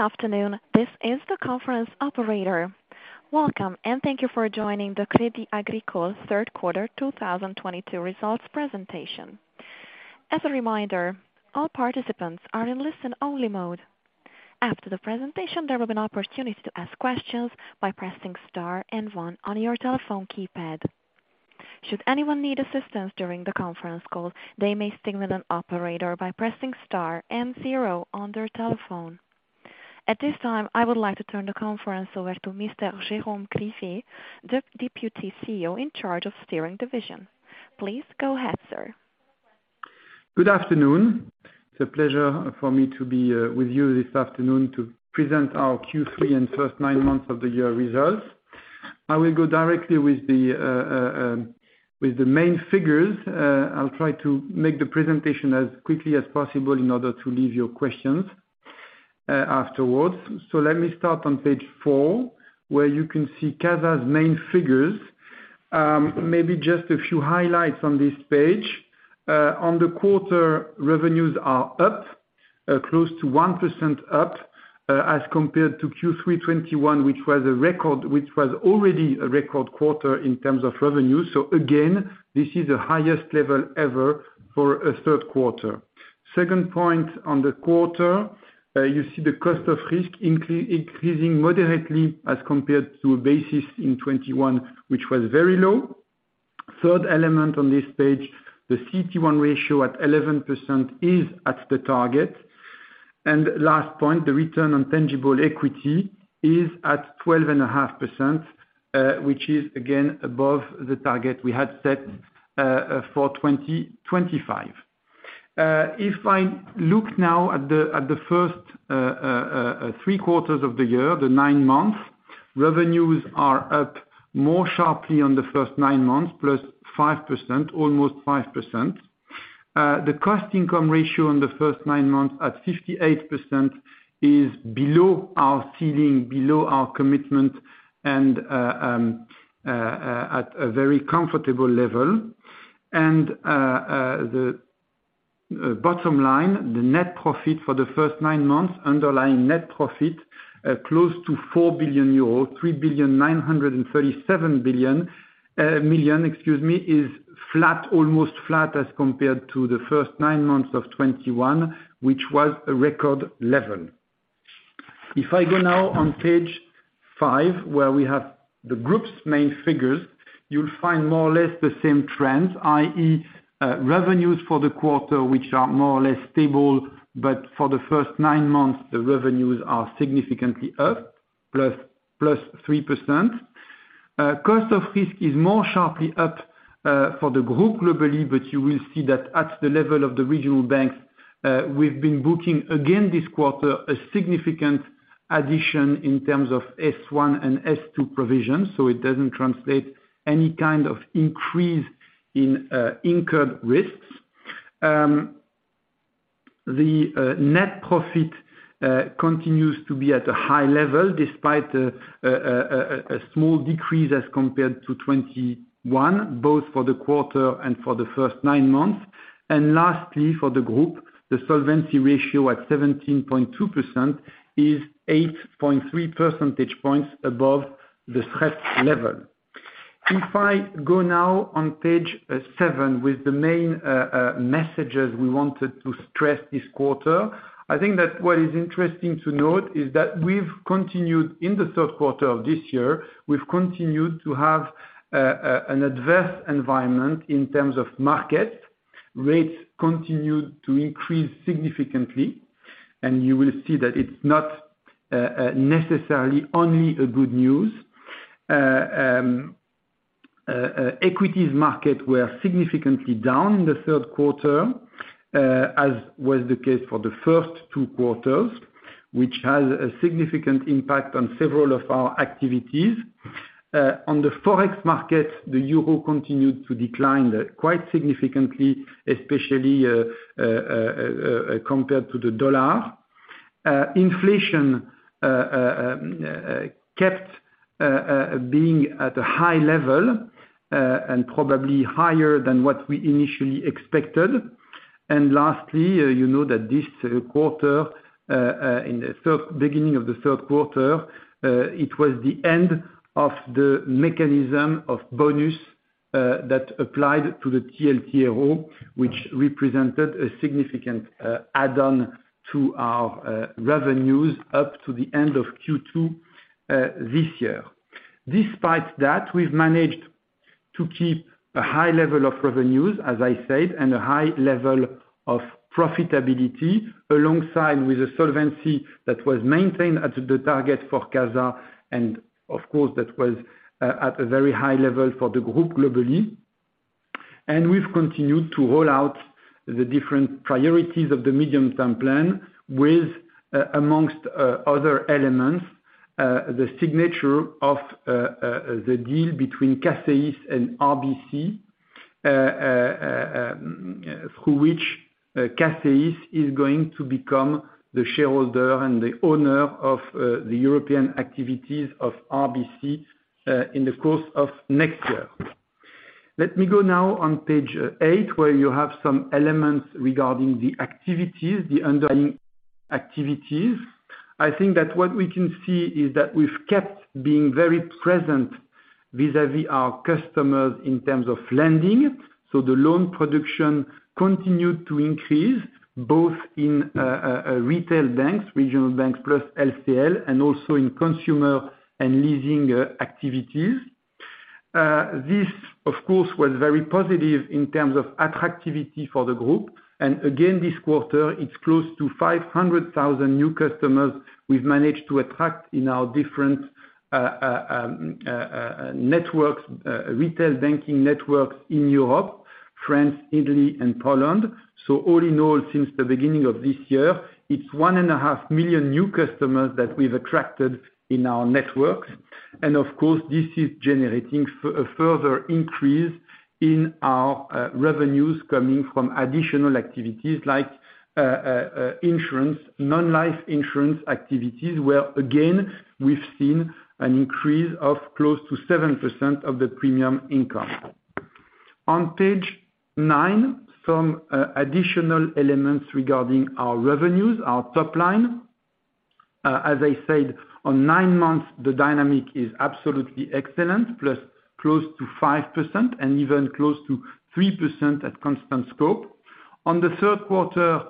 Good afternoon, this is the conference operator. Welcome, and thank you for joining the Crédit Agricole Third Quarter 2022 Results Presentation. As a reminder, all participants are in listen-only mode. After the presentation, there will be an opportunity to ask questions by pressing star and one on your telephone keypad. Should anyone need assistance during the conference call, they may signal an operator by pressing star and zero on their telephone. At this time, I would like to turn the conference over to Mr. Jérôme Grivet, the Deputy CEO in charge of steering division. Please go ahead, sir. Good afternoon. It's a pleasure for me to be with you this afternoon to present our Q3 and first nine months of the year results. I will go directly with the main figures. I'll try to make the presentation as quickly as possible in order to leave your questions afterwards. Let me start on page four, where you can see CASA's main figures. Maybe just a few highlights on this page. On the quarter, revenues are up close to 1% up as compared to Q3 2021, which was already a record quarter in terms of revenue. Again, this is the highest level ever for a third quarter. Second point on the quarter, you see the cost of risk increasing moderately as compared to a basis in 2021, which was very low. Third element on this page, the CET1 ratio at 11% is at the target. Last point, the return on tangible equity is at 12.5%, which is again above the target we had set for 2025. If I look now at the first three quarters of the year, the nine months, revenues are up more sharply on the first nine months, +5%, almost 5%. The cost income ratio on the first nine months at 58% is below our ceiling, below our commitment, and at a very comfortable level. The bottom line, the net profit for the first nine months, underlying net profit, close to 4 billion euros, 3,937 million, excuse me, is flat, almost flat as compared to the first nine months of 2021, which was a record level. If I go now on page five, where we have the group's main figures, you'll find more or less the same trend, i.e., revenues for the quarter, which are more or less stable, but for the first nine months, the revenues are significantly up, +3%. Cost of risk is more sharply up for the group globally, but you will see that at the level of the regional banks, we've been booking again this quarter a significant addition in terms of S1 and S2 provisions, so it doesn't translate any kind of increase in incurred risks. The net profit continues to be at a high level despite a small decrease as compared to 2021, both for the quarter and for the first nine months. Lastly, for the group, the solvency ratio at 17.2% is 8.3 percentage points above the stress level. If I go now on page seven with the main messages we wanted to stress this quarter, I think that what is interesting to note is that we've continued, in the third quarter of this year, to have an adverse environment in terms of markets. Rates continued to increase significantly, and you will see that it's not necessarily only a good news. Equities market were significantly down in the third quarter, as was the case for the first two quarters, which has a significant impact on several of our activities. On the Forex market, the euro continued to decline quite significantly, especially compared to the dollar. Inflation kept being at a high level, and probably higher than what we initially expected. Lastly, you know that this quarter, beginning of the third quarter, it was the end of the mechanism of bonus that applied to the TLTRO, which represented a significant add-on to our revenues up to the end of Q2 this year. Despite that, we've managed to keep a high level of revenues, as I said, and a high level of profitability alongside with the solvency that was maintained at the target for CASA, and of course, that was at a very high level for the group globally. We've continued to roll out the different priorities of the medium-term plan with, amongst other elements, the signature of the deal between CACEIS and RBC, through which CACEIS is going to become the shareholder and the owner of the European activities of RBC, in the course of next year. Let me go now on page eight, where you have some elements regarding the activities, the underlying activities. I think that what we can see is that we've kept being very present vis-à-vis our customers in terms of lending. The loan production continued to increase both in retail banks, regional banks, plus LCL, and also in consumer and leasing activities. This of course was very positive in terms of activity for the group. Again, this quarter it's close to 500,000 new customers we've managed to attract in our different networks, retail banking networks in Europe, France, Italy and Poland. All in all, since the beginning of this year, it's 1.5 million new customers that we've attracted in our networks. Of course, this is generating further increase in our revenues coming from additional activities like insurance, non-life insurance activities, where again, we've seen an increase of close to 7% of the premium income. On page nine, some additional elements regarding our revenues, our top line. As I said, over nine months the dynamic is absolutely excellent, plus close to 5% and even close to 3% at constant scope. On the third quarter,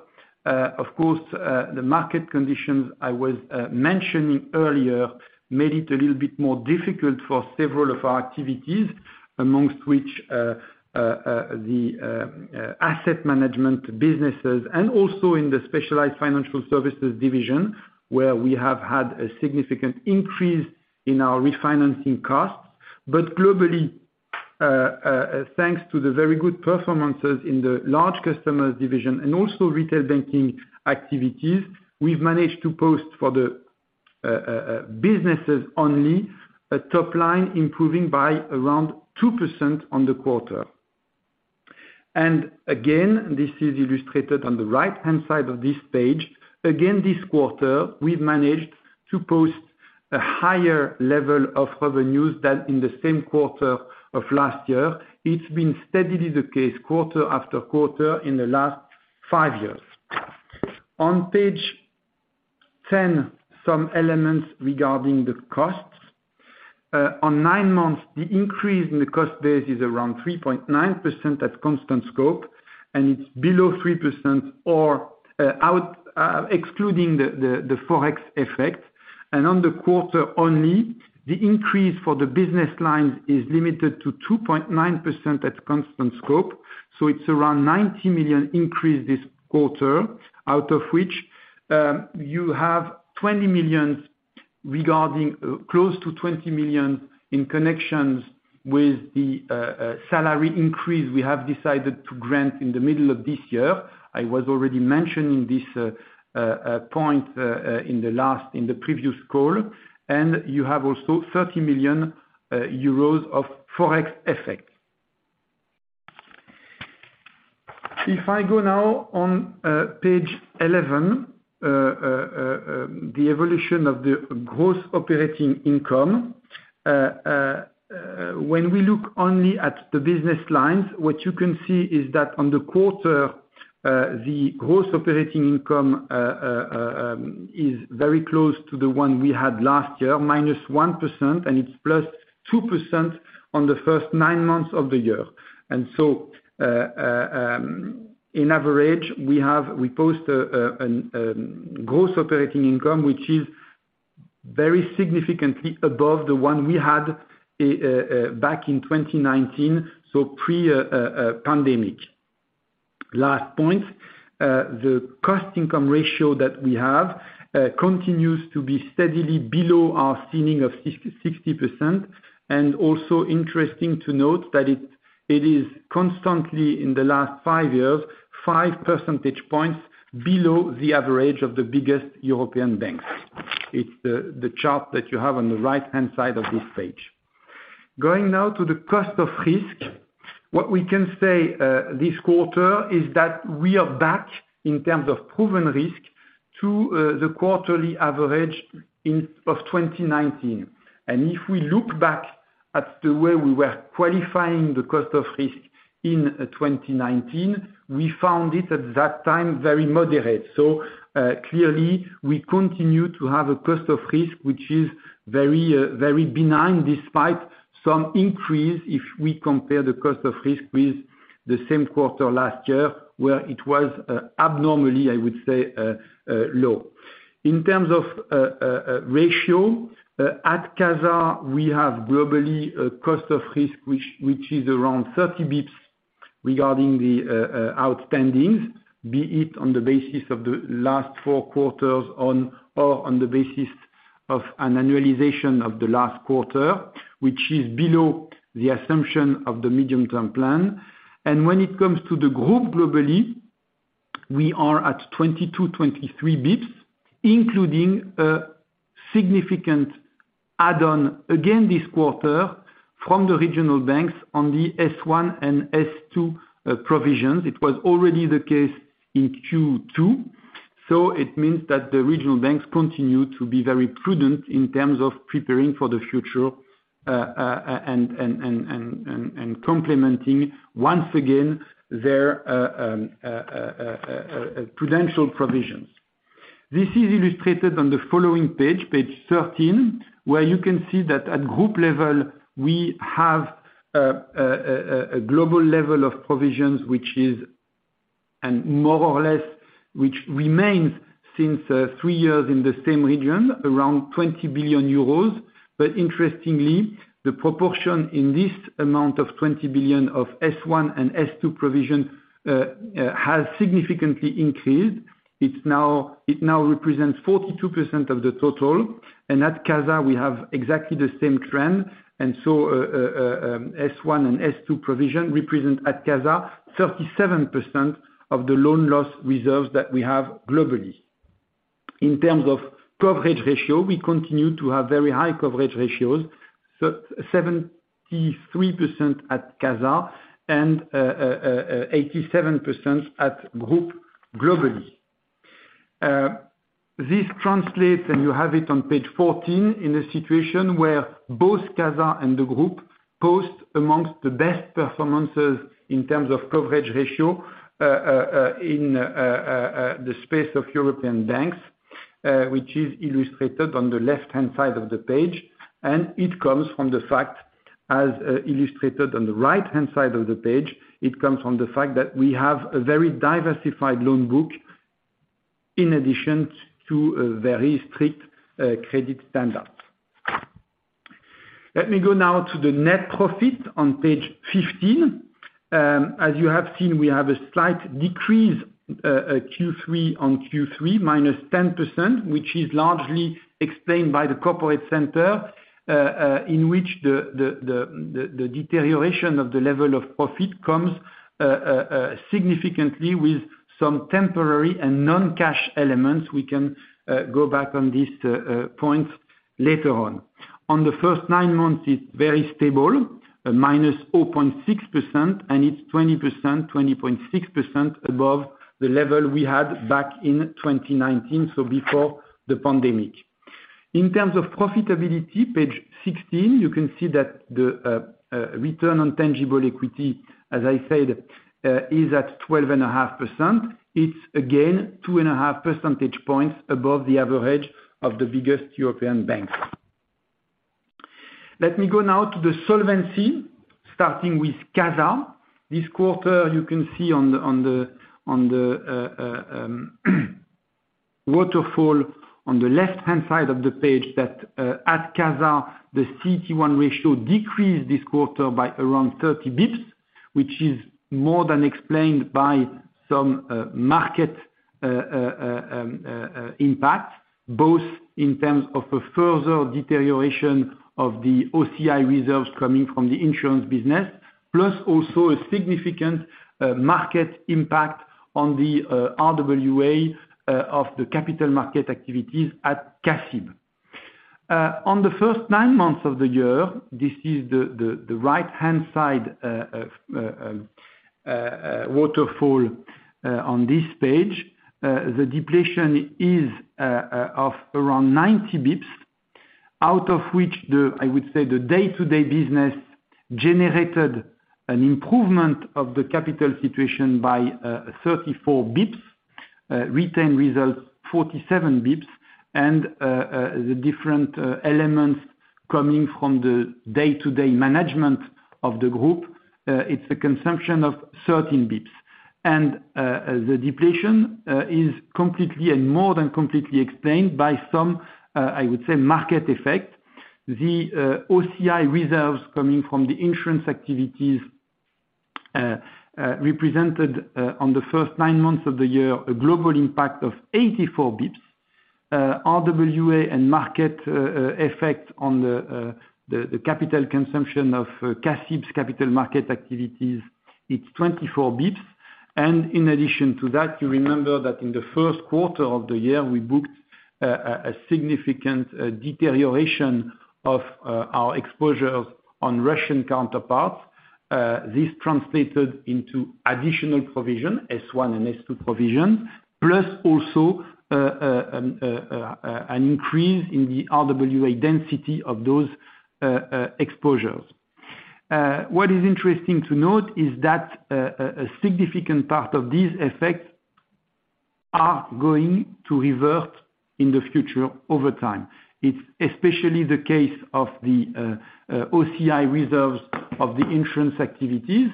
of course, the market conditions I was mentioning earlier made it a little bit more difficult for several of our activities, among which, the asset management businesses and also in the specialized financial services division, where we have had a significant increase in our refinancing costs. Globally, thanks to the very good performances in the large customers division and also retail banking activities, we've managed to post for the businesses only, a top line improving by around 2% on the quarter. Again, this is illustrated on the right-hand side of this page. Again, this quarter, we've managed to post a higher level of revenues than in the same quarter of last year. It's been steadily the case quarter after quarter in the last five years. On page ten, some elements regarding the costs. On nine months, the increase in the cost base is around 3.9% at constant scope, and it's below 3% overall, excluding the Forex effect. On the quarter only, the increase for the business lines is limited to 2.9% at constant scope. It's around 90 million increase this quarter, out of which you have 20 million regarding close to 20 million in connection with the salary increase we have decided to grant in the middle of this year. I was already mentioning this point in the previous call. You have also 30 million euros of Forex effect. If I go now to page eleven, the evolution of the gross operating income. When we look only at the business lines, what you can see is that on the quarter, the gross operating income is very close to the one we had last year, minus 1%, and it's plus 2% on the first nine months of the year. In average, we post a gross operating income, which is very significantly above the one we had back in 2019, so pre-pandemic. Last point, the cost income ratio that we have continues to be steadily below our ceiling of 60%. Also interesting to note that it is constantly, in the last five years, five percentage points below the average of the biggest European banks. It's the chart that you have on the right-hand side of this page. Going now to the cost of risk. What we can say this quarter is that we are back in terms of proven risk to the quarterly average of 2019. If we look back at the way we were qualifying the cost of risk in 2019, we found it at that time very moderate. Clearly we continue to have a cost of risk, which is very, very benign despite some increase if we compare the cost of risk with the same quarter last year, where it was abnormally, I would say, low. In terms of ratio at CASA we have globally a cost of risk which is around 30 basis points regarding the outstandings be it on the basis of the last four quarters or on the basis of an annualization of the last quarter which is below the assumption of the medium term plan. When it comes to the group globally we are at 22-23 basis points including significant add-on again this quarter from the regional banks on the S1 and S2 provisions. It was already the case in Q2. It means that the regional banks continue to be very prudent in terms of preparing for the future and complementing once again their prudential provisions. This is illustrated on the following page 13, where you can see that at group level, we have a global level of provisions, which is, more or less, which remains since three years in the same region, around 20 billion euros. Interestingly, the proportion in this amount of 20 billion of S1 and S2 provision has significantly increased. It now represents 42% of the total, and at CASA we have exactly the same trend. S1 and S2 provision represent, at CASA, 37% of the loan loss reserves that we have globally. In terms of coverage ratio, we continue to have very high coverage ratios, 73% at CASA and 87% at group globally. This translates, and you have it on page 14, in a situation where both CASA and the group post among the best performances in terms of coverage ratio, in the space of European banks, which is illustrated on the left-hand side of the page. It comes from the fact, as illustrated on the right-hand side of the page, that we have a very diversified loan book, in addition to a very strict credit standard. Let me go now to the net profit on page 15. As you have seen, we have a slight decrease Q3 on Q3, -10%, which is largely explained by the corporate center in which the deterioration of the level of profit comes significantly with some temporary and non-cash elements. We can go back on this point later on. On the first nine months, it's very stable, -0.6%, and it's 20%, 20.6% above the level we had back in 2019, so before the pandemic. In terms of profitability, page 16, you can see that the return on tangible equity, as I said, is at 12.5%. It's again 2.5 percentage points above the average of the biggest European banks. Let me go now to the solvency, starting with CASA. This quarter, you can see on the waterfall on the left-hand side of the page that at CASA, the CET1 ratio decreased this quarter by around 30 basis points, which is more than explained by some market impact, both in terms of a further deterioration of the OCI reserves coming from the insurance business, plus also a significant market impact on the RWA of the capital market activities at CACIB. On the first nine months of the year, this is the right-hand side waterfall on this page. The depletion is of around 90 bps, out of which the day-to-day business generated an improvement of the capital situation by 34 basis points, retained results 47 basis points, and the different elements coming from the day-to-day management of the group, it's a consumption of 13 basis points. The depletion is completely and more than completely explained by some market effect. The OCI reserves coming from the insurance activities represented, on the first nine months of the year, a global impact of 84 basis points, RWA and market effect on the capital consumption of CACIB's capital market activities, it's 24 basis points. In addition to that, you remember that in the first quarter of the year, we booked a significant deterioration of our exposure on Russian counterparts. This translated into additional provision, S1 and S2 provision, plus also an increase in the RWA density of those exposures. What is interesting to note is that a significant part of these effects are going to revert in the future over time. It's especially the case of the OCI reserves of the insurance activities.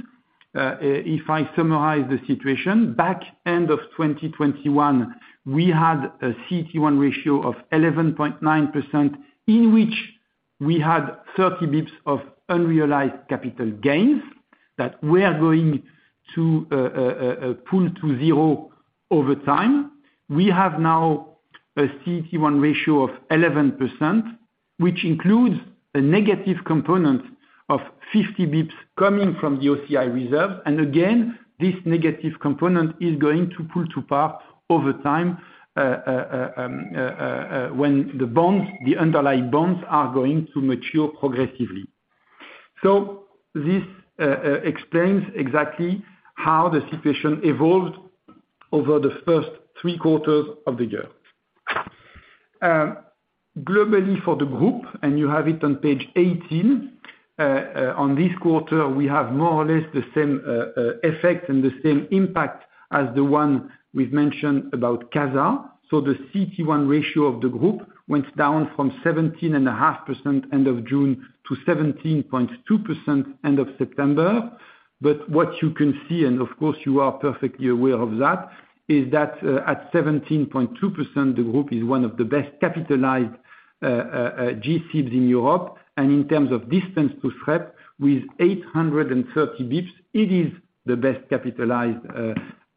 If I summarize the situation, back end of 2021, we had a CET1 ratio of 11.9%, in which we had 30 basis points of unrealized capital gains that we are going to pull to zero over time. We have now a CET1 ratio of 11%, which includes a negative component of 50 basis points coming from the OCI reserve. Again, this negative component is going to pull to par over time, when the bonds, the underlying bonds are going to mature progressively. This explains exactly how the situation evolved over the first three quarters of the year. Globally for the group, and you have it on page 18, on this quarter, we have more or less the same effect and the same impact as the one we've mentioned about CASA. The CET1 ratio of the group went down from 17.5% end of June to 17.2% end of September. What you can see, and of course you are perfectly aware of that, is that at 17.2%, the group is one of the best capitalized G-SIBs in Europe. In terms of distance to SREP, with 830 basis points, it is the best capitalized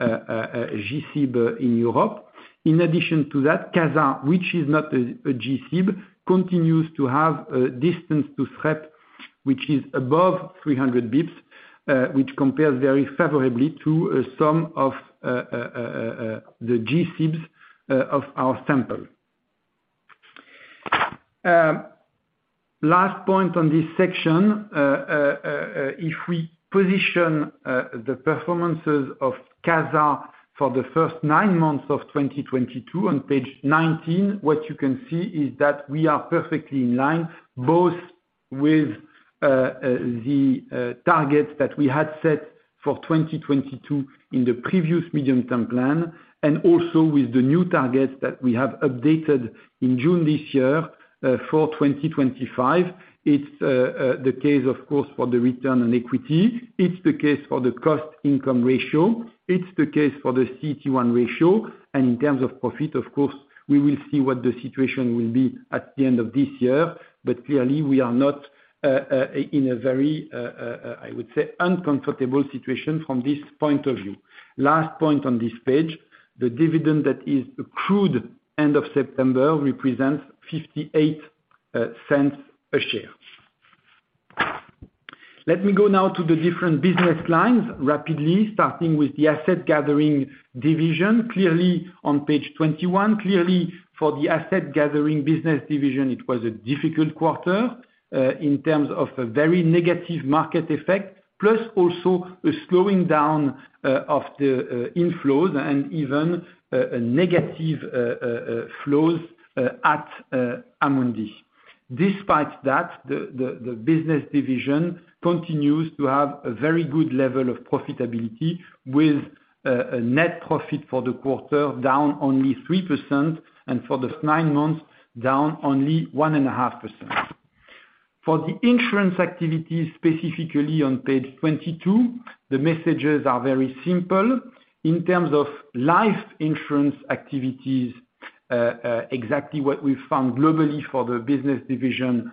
G-SIB in Europe. In addition to that, CASA, which is not a G-SIB, continues to have a distance to SREP which is above 300 basis points, which compares very favorably to some of the G-SIBs of our sample. Last point on this section. If we position the performances of CASA for the first nine months of 2022 on page 19, what you can see is that we are perfectly in line, both with the targets that we had set for 2022 in the previous medium-term plan, and also with the new targets that we have updated in June this year for 2025. It's the case, of course, for the return on equity, it's the case for the cost income ratio, it's the case for the CET1 ratio. In terms of profit, of course, we will see what the situation will be at the end of this year. Clearly we are not in a very uncomfortable situation from this point of view. Last point on this page. The dividend that is accrued end of September represents 0.58 a share. Let me go now to the different business lines rapidly, starting with the asset gathering division. Clearly on page 21, for the asset gathering business division, it was a difficult quarter in terms of a very negative market effect, plus also a slowing down of the inflows and even a negative flows at Amundi. Despite that, the business division continues to have a very good level of profitability with a net profit for the quarter, down only 3%, and for the nine months, down only 1.5%. For the insurance activities, specifically on page 22, the messages are very simple. In terms of life insurance activities, exactly what we found globally for the business division,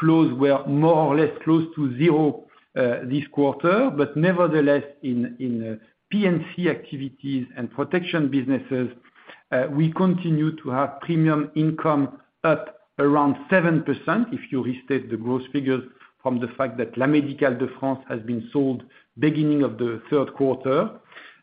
flows were more or less close to zero this quarter. Nevertheless in P&C activities and protection businesses, we continue to have premium income at around 7%. If you restate the gross figures from the fact that La Médicale de France has been sold beginning of the third quarter.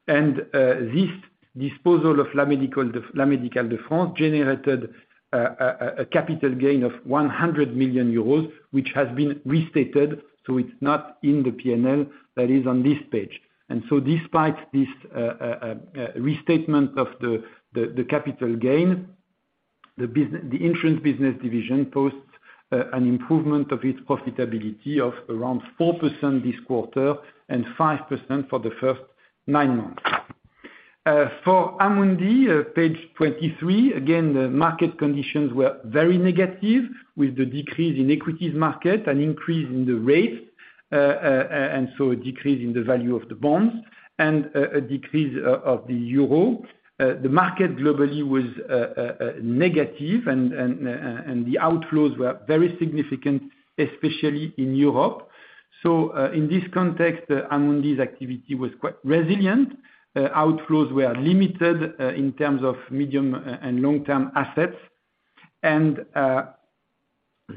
This disposal of La Médicale de France generated a capital gain of 100 million euros, which has been restated, so it's not in the P&L that is on this page. Despite this restatement of the capital gain, the insurance business division posts an improvement of its profitability of around 4% this quarter and 5% for the first nine months. For Amundi, page 23, again, the market conditions were very negative with the decrease in equities market, an increase in the rates, and so a decrease in the value of the bonds and a decrease of the euro. The market globally was negative and the outflows were very significant, especially in Europe. In this context, Amundi's activity was quite resilient. Outflows were limited in terms of medium and long-term assets.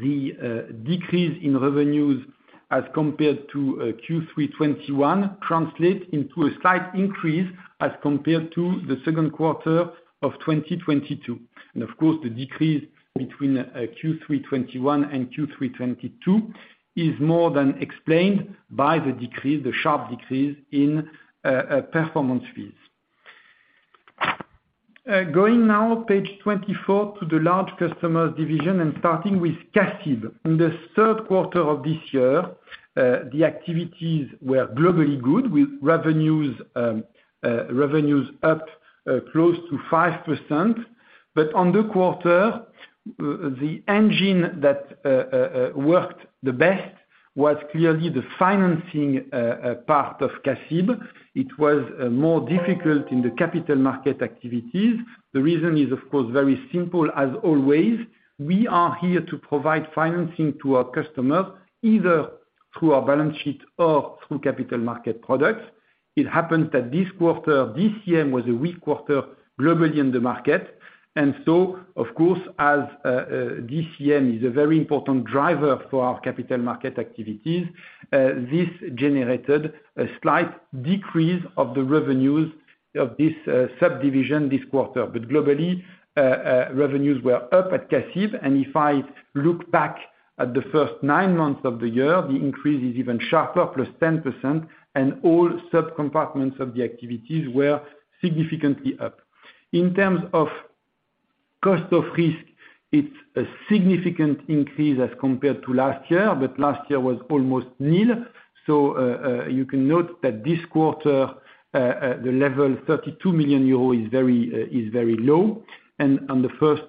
The decrease in revenues as compared to Q3 2021 translate into a slight increase as compared to the second quarter of 2022. Of course, the decrease between Q3 2021 and Q3 2022 is more than explained by the sharp decrease in performance fees. Going now to page 24 to the large customer division, starting with CACEIS. In the third quarter of this year, the activities were globally good with revenues up close to 5%. On the quarter, the engine that worked the best was clearly the financing part of CACEIS. It was more difficult in the capital market activities. The reason is, of course, very simple as always. We are here to provide financing to our customers, either through our balance sheet or through capital market products. It happened that this quarter, DCM was a weak quarter globally in the market. Of course, as DCM is a very important driver for our capital market activities, this generated a slight decrease of the revenues of this subdivision this quarter. Globally, revenues were up at CACEIS. If I look back at the first nine months of the year, the increase is even sharper, +10%, and all sub compartments of the activities were significantly up. In terms of cost of risk, it's a significant increase as compared to last year, but last year was almost nil. You can note that this quarter, the level 32 million euro is very low. On the first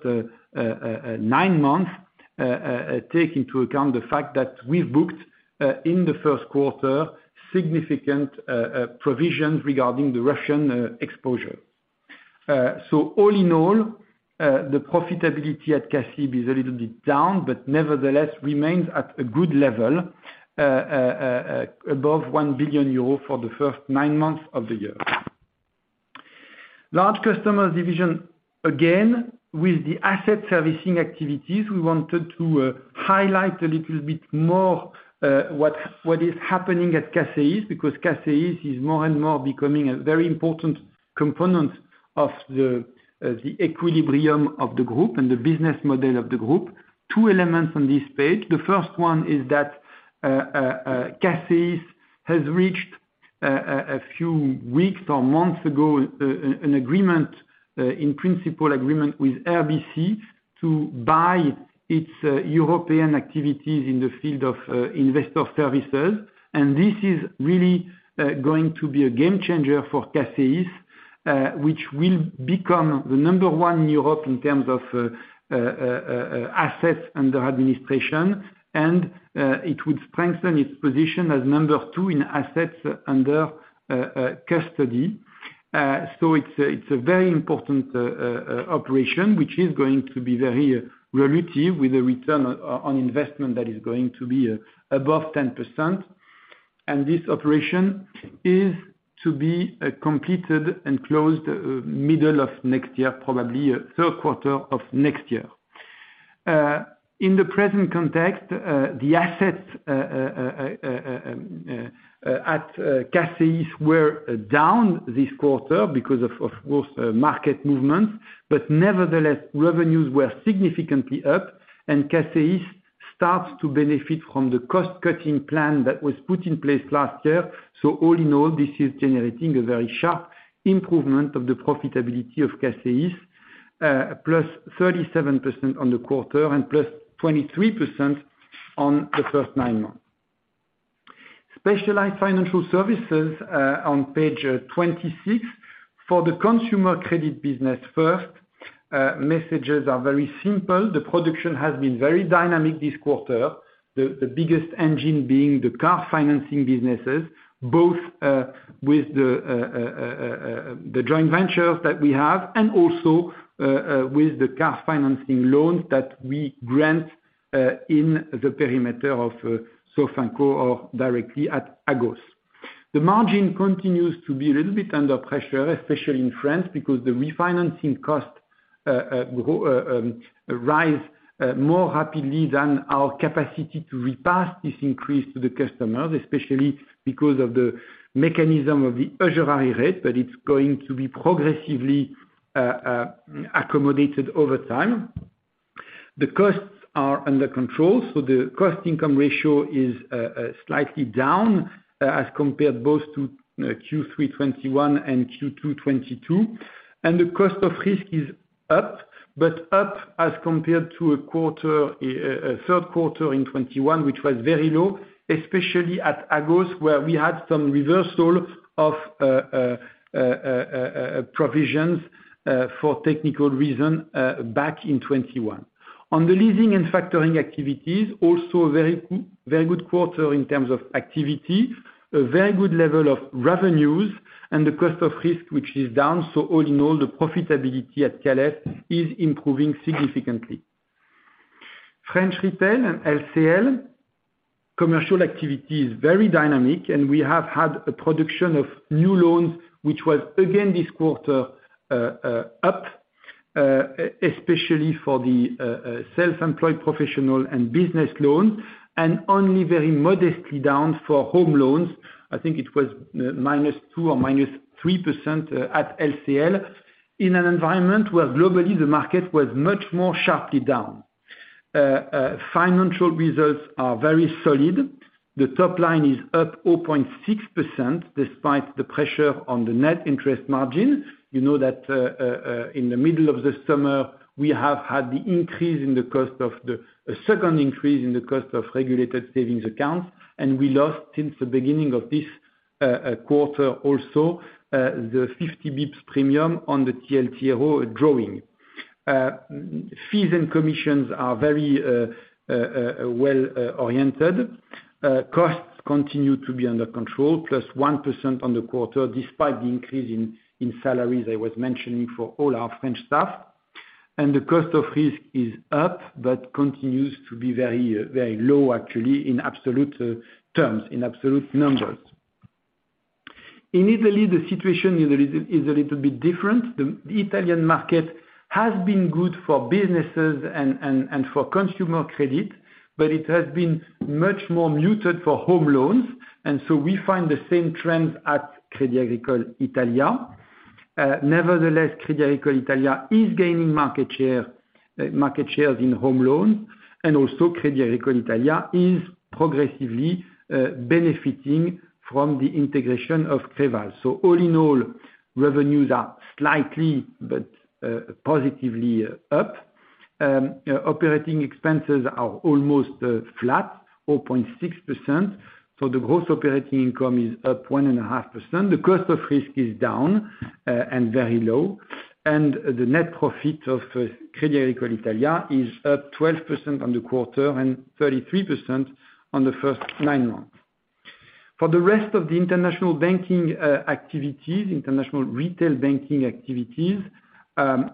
nine months, take into account the fact that we've booked, in the first quarter, significant provisions regarding the Russian exposure. All in all, the profitability at CACIB is a little bit down, but nevertheless remains at a good level, above 1 billion euro for the first nine months of the year. Large customers division, again, with the asset servicing activities, we wanted to highlight a little bit more, what is happening at CACEIS, because CACEIS is more and more becoming a very important component of the equilibrium of the group and the business model of the group. Two elements on this page. The first one is that CACEIS has reached a few weeks or months ago an agreement in principle with RBC to buy its European activities in the field of investor services. This is really going to be a game changer for CACEIS, which will become the number one in Europe in terms of assets under administration. It would strengthen its position as number two in assets under custody. It's a very important operation, which is going to be very accretive with a return on investment that is going to be above 10%. This operation is to be completed and closed middle of next year, probably third quarter of next year. In the present context, the assets at CACEIS were down this quarter because of course, market movements. Nevertheless, revenues were significantly up, and CACEIS starts to benefit from the cost-cutting plan that was put in place last year. All in all, this is generating a very sharp improvement of the profitability of CACEIS, plus 37% on the quarter and plus 23% on the first nine months. Specialized financial services on page 26. For the consumer credit business first, messages are very simple. The production has been very dynamic this quarter, the biggest engine being the car financing businesses, both with the joint ventures that we have, and also with the car financing loans that we grant in the perimeter of Sofinco or directly at Agos. The margin continues to be a little bit under pressure, especially in France, because the refinancing cost rise more rapidly than our capacity to repass this increase to the customers, especially because of the mechanism of the usury rate, but it's going to be progressively accommodated over time. The costs are under control, so the cost income ratio is slightly down as compared both to Q3 2021 and Q2 2022. The cost of risk is up, but up as compared to a quarter, a third quarter in 2021, which was very low, especially at Agos, where we had some reversal of provisions, for technical reason, back in 2021. On the leasing and factoring activities, also a very good quarter in terms of activity, a very good level of revenues and the cost of risk, which is down. All in all, the profitability at CAL&F is improving significantly. French retail and LCL commercial activity is very dynamic, and we have had a production of new loans, which was again this quarter, up, especially for the self-employed professional and business loan, and only very modestly down for home loans. I think it was -2% or -3% at LCL. In an environment where globally the market was much more sharply down. Financial results are very solid. The top line is up 0.6%, despite the pressure on the net interest margin. You know that, in the middle of the summer, we have had a second increase in the cost of regulated savings accounts. We lost since the beginning of this quarter also the 50 basis points premium on the TLTRO drawing. Fees and commissions are very well oriented. Costs continue to be under control, +1% on the quarter, despite the increase in salaries I was mentioning for all our French staff. The cost of risk is up, but continues to be very low, actually, in absolute terms, in absolute numbers. In Italy, the situation is a little bit different. The Italian market has been good for businesses and for consumer credit, but it has been much more muted for home loans. We find the same trends at Crédit Agricole Italia. Nevertheless, Crédit Agricole Italia is gaining market shares in home loans, and also Crédit Agricole Italia is progressively benefiting from the integration of Creval. All in all, revenues are slightly but positively up. Operating expenses are almost flat, 4.6%. The gross operating income is up 1.5%. The cost of risk is down and very low. The net profit of Crédit Agricole Italia is up 12% on the quarter and 33% on the first nine months. For the rest of the international banking activities, international retail banking activities,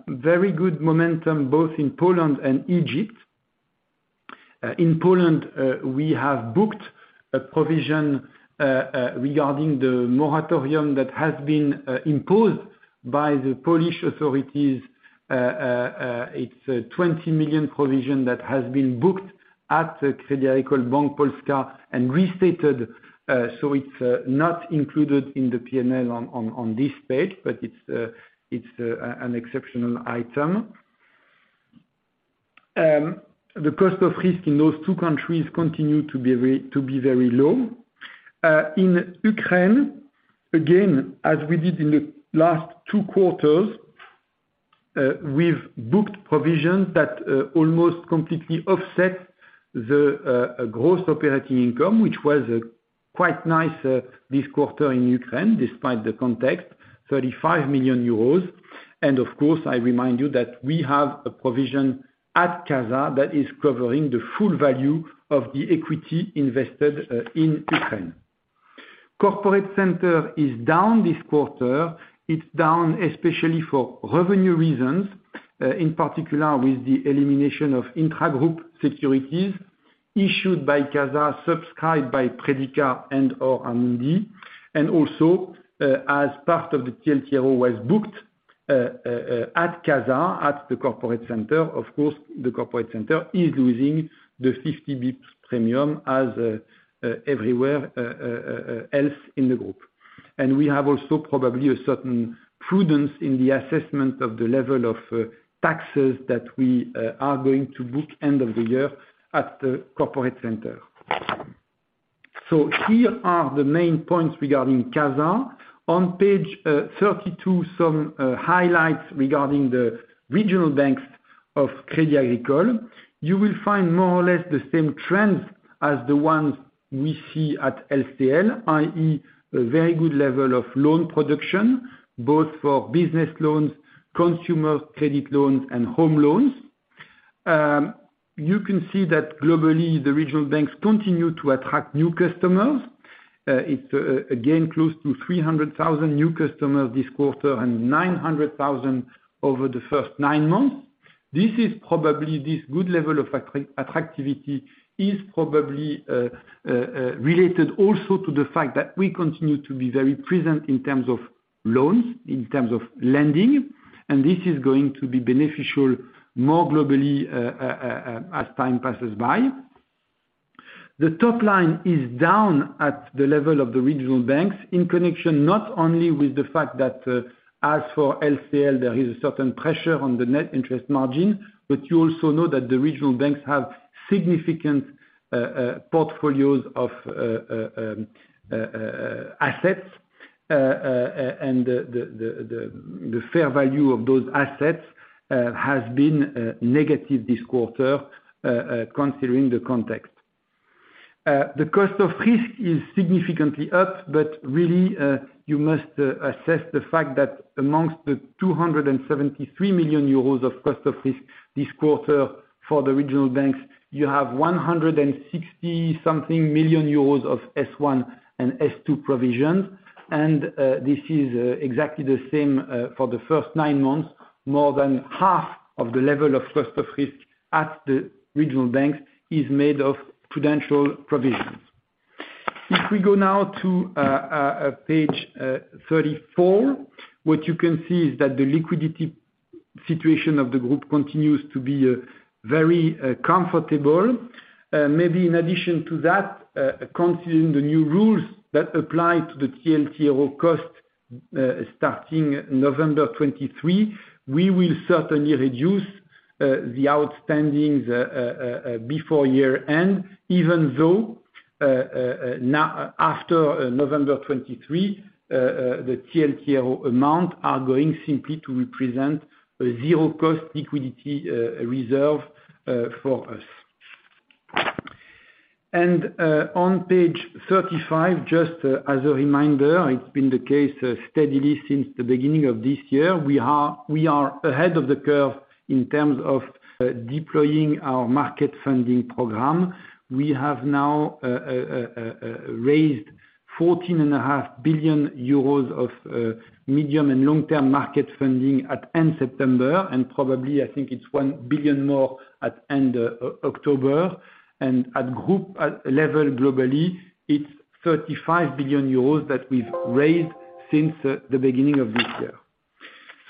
very good momentum both in Poland and Egypt. In Poland, we have booked a provision regarding the moratorium that has been imposed by the Polish authorities. It's a 20 million provision that has been booked at Crédit Agricole Bank Polska and restated, so it's not included in the P&L on this page, but it's an exceptional item. The cost of risk in those two countries continue to be very low. In Ukraine, again, as we did in the last two quarters, we've booked provisions that almost completely offset the gross operating income, which was quite nice this quarter in Ukraine, despite the context, 35 million euros. I remind you that we have a provision at CASA that is covering the full value of the equity invested in Ukraine. Corporate Center is down this quarter. It's down especially for revenue reasons, in particular with the elimination of intra-group securities issued by CASA, subscribed by Predica and/or Amundi. Also, as part of the TLTRO was booked at CASA, at the Corporate Center. Of course, the Corporate Center is losing the 50 basis points premium as everywhere else in the group. We have also probably a certain prudence in the assessment of the level of taxes that we are going to book end of the year at the Corporate Center. Here are the main points regarding CASA. On page 32, some highlights regarding the regional banks of Crédit Agricole. You will find more or less the same trends as the ones we see at LCL, i.e., a very good level of loan production, both for business loans, consumer credit loans, and home loans. You can see that globally, the regional banks continue to attract new customers. It's again close to 300,000 new customers this quarter and 900,000 over the first nine months. This good level of attractivity is probably related also to the fact that we continue to be very present in terms of loans, in terms of lending. This is going to be beneficial more globally as time passes by. The top line is down at the level of the regional banks in connection, not only with the fact that, as for LCL, there is a certain pressure on the net interest margin, but you also know that the regional banks have significant portfolios of assets. The fair value of those assets has been negative this quarter, considering the context. The cost of risk is significantly up, but really, you must assess the fact that amongst the 273 million euros of cost of risk this quarter for the regional banks, you have 160-something million euros of S1 and S2 provisions. This is exactly the same for the first nine months. More than half of the level of cost of risk at the regional banks is made of credit provisions. If we go now to page 34, what you can see is that the liquidity situation of the group continues to be very comfortable. Maybe in addition to that, considering the new rules that apply to the TLTRO cost starting November 2023, we will certainly reduce the outstandings before year end, even though after November 2023, the TLTRO amount are going simply to represent a zero cost liquidity reserve for us. On page 35, just as a reminder, it's been the case steadily since the beginning of this year. We are ahead of the curve in terms of deploying our market funding program. We have now raised 14.5 billion euros of medium and long-term market funding at end September, and probably, I think it's 1 billion more at end October. At group level globally, it's 35 billion euros that we've raised since the beginning of this year.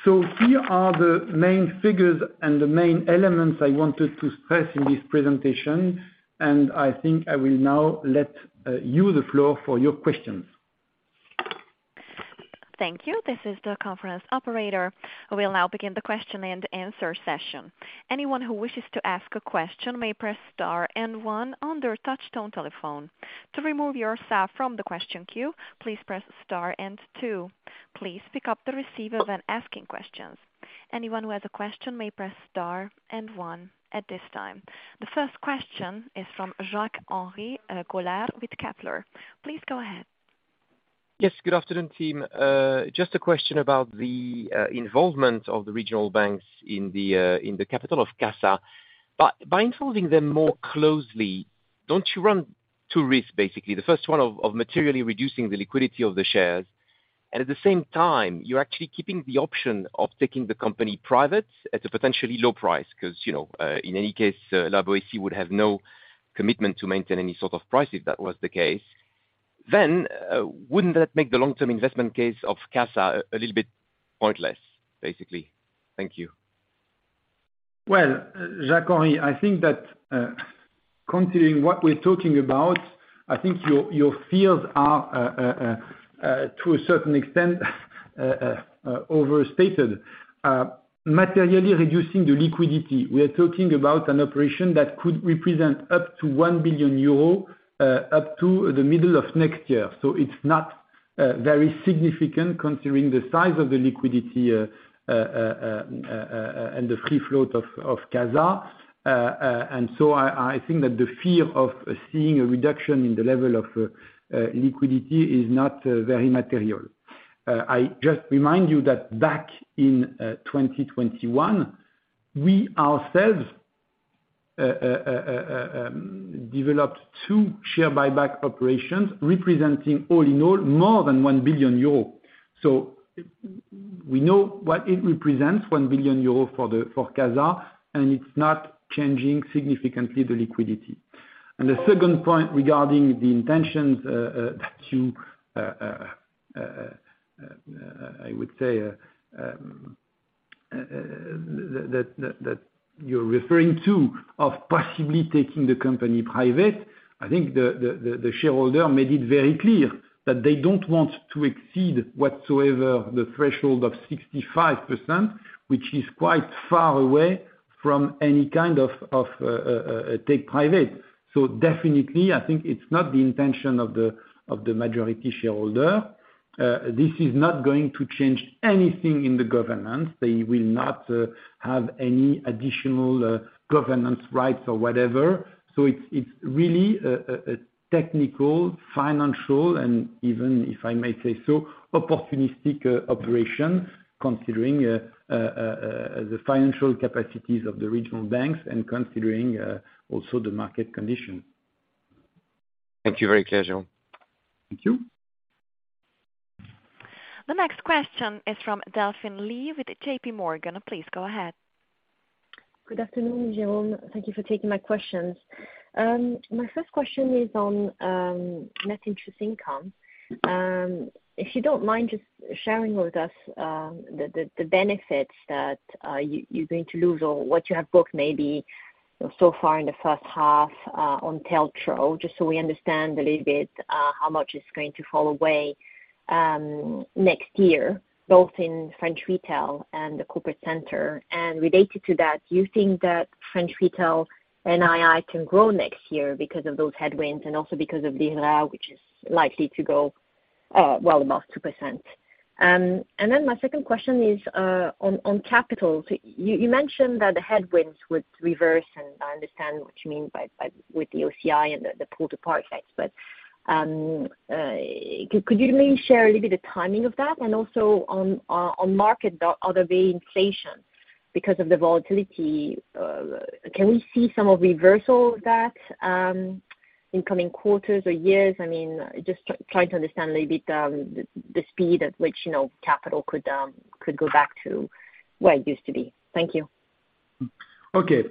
Here are the main figures and the main elements I wanted to stress in this presentation, and I think I will now let you have the floor for your questions. Thank you. This is the conference operator. We'll now begin the question and answer session. Anyone who wishes to ask a question may press star and one on their touchtone telephone. To remove yourself from the question queue, please press star and two. Please pick up the receiver when asking questions. Anyone who has a question may press star and one at this time. The first question is from Jacques-Henri Gaulard with Kepler Cheuvreux. Please go ahead. Yes. Good afternoon, team. Just a question about the involvement of the regional banks in the capital of Casa. By involving them more closely, don't you run two risks, basically? The first one of materially reducing the liquidity of the shares, and at the same time, you're actually keeping the option of taking the company private at a potentially low price. 'Cause, you know, in any case, SAS Rue La Boétie would have no commitment to maintain any sort of price if that was the case. Then, wouldn't that make the long-term investment case of Casa a little bit pointless, basically? Thank you. Well, Jacques-Henri, I think that, considering what we're talking about, I think your fears are, to a certain extent, overstated. Materially reducing the liquidity, we are talking about an operation that could represent up to 1 billion euro, up to the middle of next year. It's not very significant considering the size of the liquidity, and the free float of CASA. And so I think that the fear of seeing a reduction in the level of liquidity is not very material. I just remind you that back in 2021, we ourselves developed two share buyback operations, representing all in all more than 1 billion euro. We know what it represents, 1 billion euro for CASA, and it's not changing significantly the liquidity. The second point regarding the intentions that you, I would say, that you're referring to, of possibly taking the company private, I think the shareholder made it very clear that they don't want to exceed whatsoever the threshold of 65%, which is quite far away from any kind of a take private. Definitely, I think it's not the intention of the majority shareholder. This is not going to change anything in the governance. They will not have any additional governance rights or whatever. It's really a technical, financial, and even if I may say so, opportunistic operation, considering the financial capacities of the regional banks and considering also the market condition. Thank you. Very clear, Jérôme. Thank you. The next question is from Delphine Lee with JPMorgan. Please go ahead. Good afternoon, Jérôme. Thank you for taking my questions. My first question is on net interest income. If you don't mind just sharing with us the benefits that you're going to lose or what you have booked maybe so far in the first half on TLTRO, just so we understand a little bit how much is going to fall away next year, both in French Retail and the corporate center. Related to that, do you think that French Retail NII can grow next year because of those headwinds and also because of the Livret A which is likely to go well above 2%? And then my second question is on capital. You mentioned that the headwinds would reverse, and I understand what you mean by with the OCI and the pull to par effect. Could you maybe share a little bit of timing of that? Also on market, the other way, inflation, because of the volatility, can we see some of reversal of that in coming quarters or years? I mean, trying to understand a little bit, the speed at which, you know, capital could go back to the way it used to be. Thank you. Okay.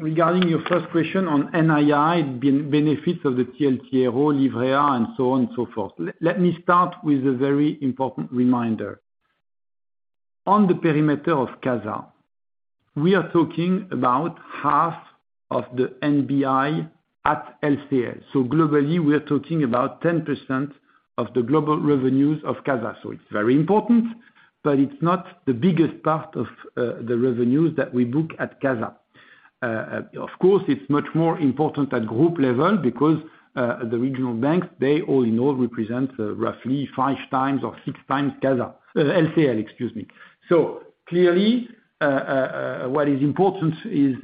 Regarding your first question on NII, benefits of the TLTRO, Livret A, and so on and so forth, let me start with a very important reminder. On the perimeter of CASA, we are talking about half of the NBI at LCL. Globally, we are talking about 10% of the global revenues of CASA. It's very important, but it's not the biggest part of the revenues that we book at CASA. Of course, it's much more important at group level because the regional banks, they all in all represent roughly five times or six times CASA, LCL, excuse me. Clearly, what is important is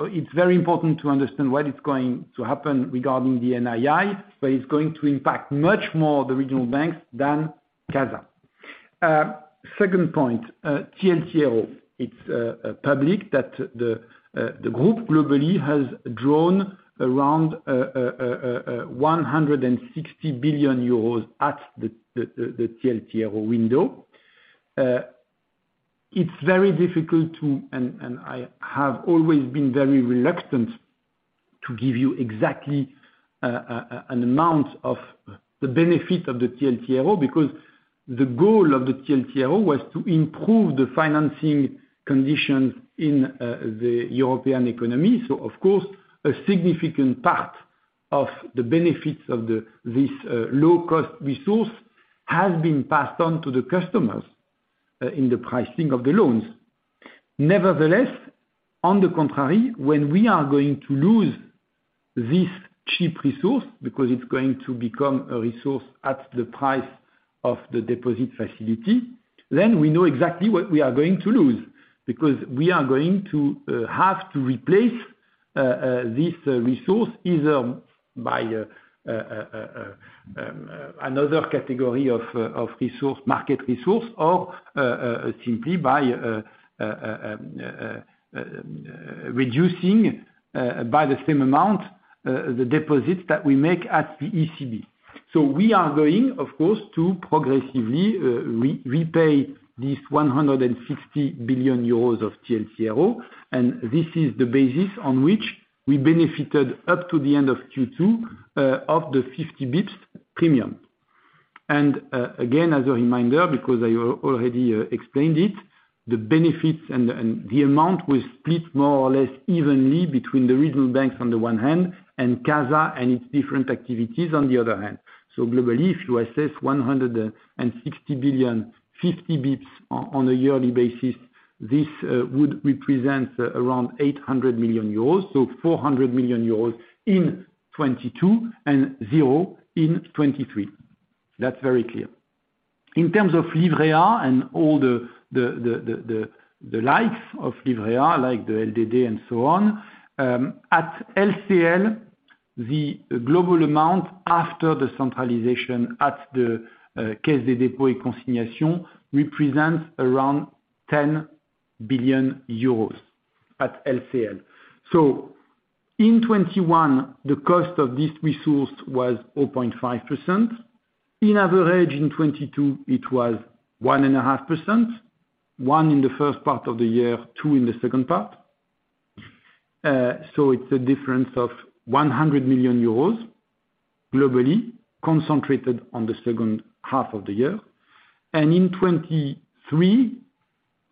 it's very important to understand what is going to happen regarding the NII, but it's going to impact much more the regional banks than CASA. Second point, TLTRO. It's public that the group globally has drawn around 160 billion euros at the TLTRO window. It's very difficult and I have always been very reluctant to give you exactly an amount of the benefit of the TLTRO, because the goal of the TLTRO was to improve the financing conditions in the European economy. Of course, a significant part of the benefits of this low-cost resource has been passed on to the customers in the pricing of the loans. Nevertheless, on the contrary, when we are going to lose this cheap resource because it's going to become a resource at the price of the deposit facility, then we know exactly what we are going to lose. Because we are going to have to replace this resource either by another category of resource, market resource or simply by reducing by the same amount the deposits that we make at the ECB. We are going, of course, to progressively repay 160 billion euros of TLTRO, and this is the basis on which we benefited up to the end of Q2 of the 50 basis points premium. Again, as a reminder, because I already explained it, the benefits and the amount was split more or less evenly between the regional banks on the one hand, and CASA and its different activities on the other hand. Globally, if you assess 160 billion, 50 basis points on a yearly basis, this would represent around 800 million euros, so 400 million euros in 2022, and zero in 2023. That's very clear. In terms of Livret A and all the likes of Livret A, like the LDD and so on, at LCL, the global amount after the centralization at the Caisse des Dépôts et Consignations represents around 10 billion euros at LCL. In 2021, the cost of this resource was 4.5%. In average in 2022, it was 1.5%, 1% in the first part of the year, 2% in the second part. It's a difference of 100 million euros globally, concentrated on the second half of the year. In 2023,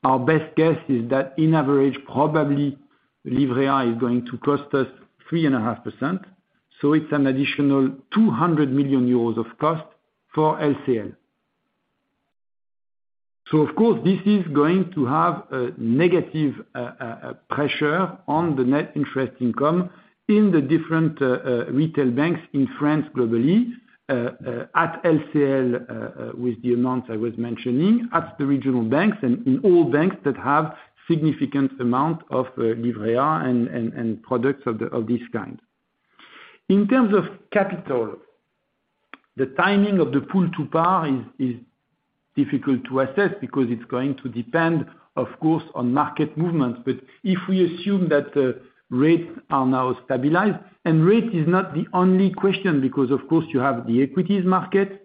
our best guess is that on average, probably Livret A is going to cost us 3.5%, so it's an additional 200 million euros of cost for LCL. Of course, this is going to have a negative pressure on the net interest income in the different retail banks in France globally, at LCL, with the amounts I was mentioning, at the regional banks and in all banks that have significant amount of Livret A and products of this kind. In terms of capital, the timing of the pull to par is difficult to assess because it's going to depend, of course, on market movements. If we assume that rates are now stabilized, and rate is not the only question because of course, you have the equities market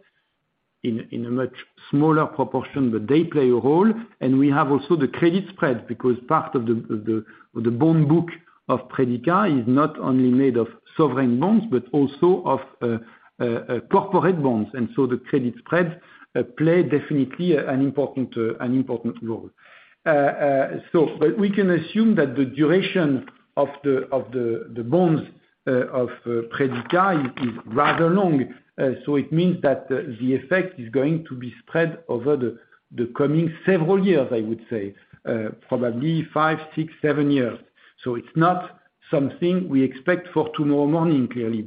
in a much smaller proportion, but they play a role. We have also the credit spread, because part of the bond book of Predica is not only made of sovereign bonds, but also of corporate bonds. The credit spread plays definitely an important role. We can assume that the duration of the bonds of Predica is rather long. It means that the effect is going to be spread over the coming several years, I would say. Probably five, six, seven years. It's not something we expect for tomorrow morning, clearly.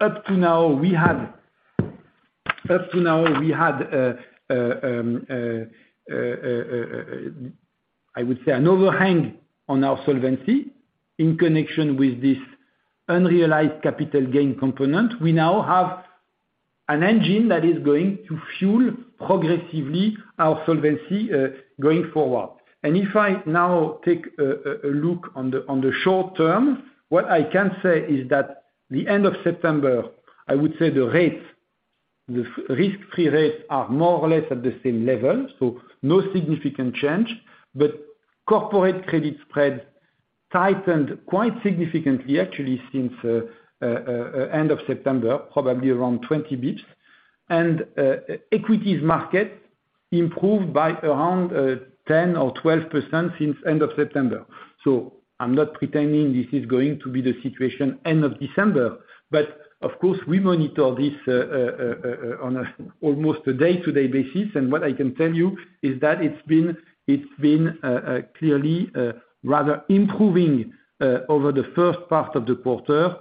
Up to now we had I would say an overhang on our solvency in connection with this unrealized capital gain component. We now have an engine that is going to fuel progressively our solvency, going forward. If I now take a look at the short term, what I can say is that at the end of September, I would say the risk-free rates are more or less at the same level, so no significant change. Corporate credit spread tightened quite significantly, actually, since end of September, probably around 20 basis points. Equities market improved by around 10 or 12% since end of September. I'm not pretending this is going to be the situation end of December, but of course, we monitor this on almost a day-to-day basis, and what I can tell you is that it's been clearly rather improving over the first part of the quarter,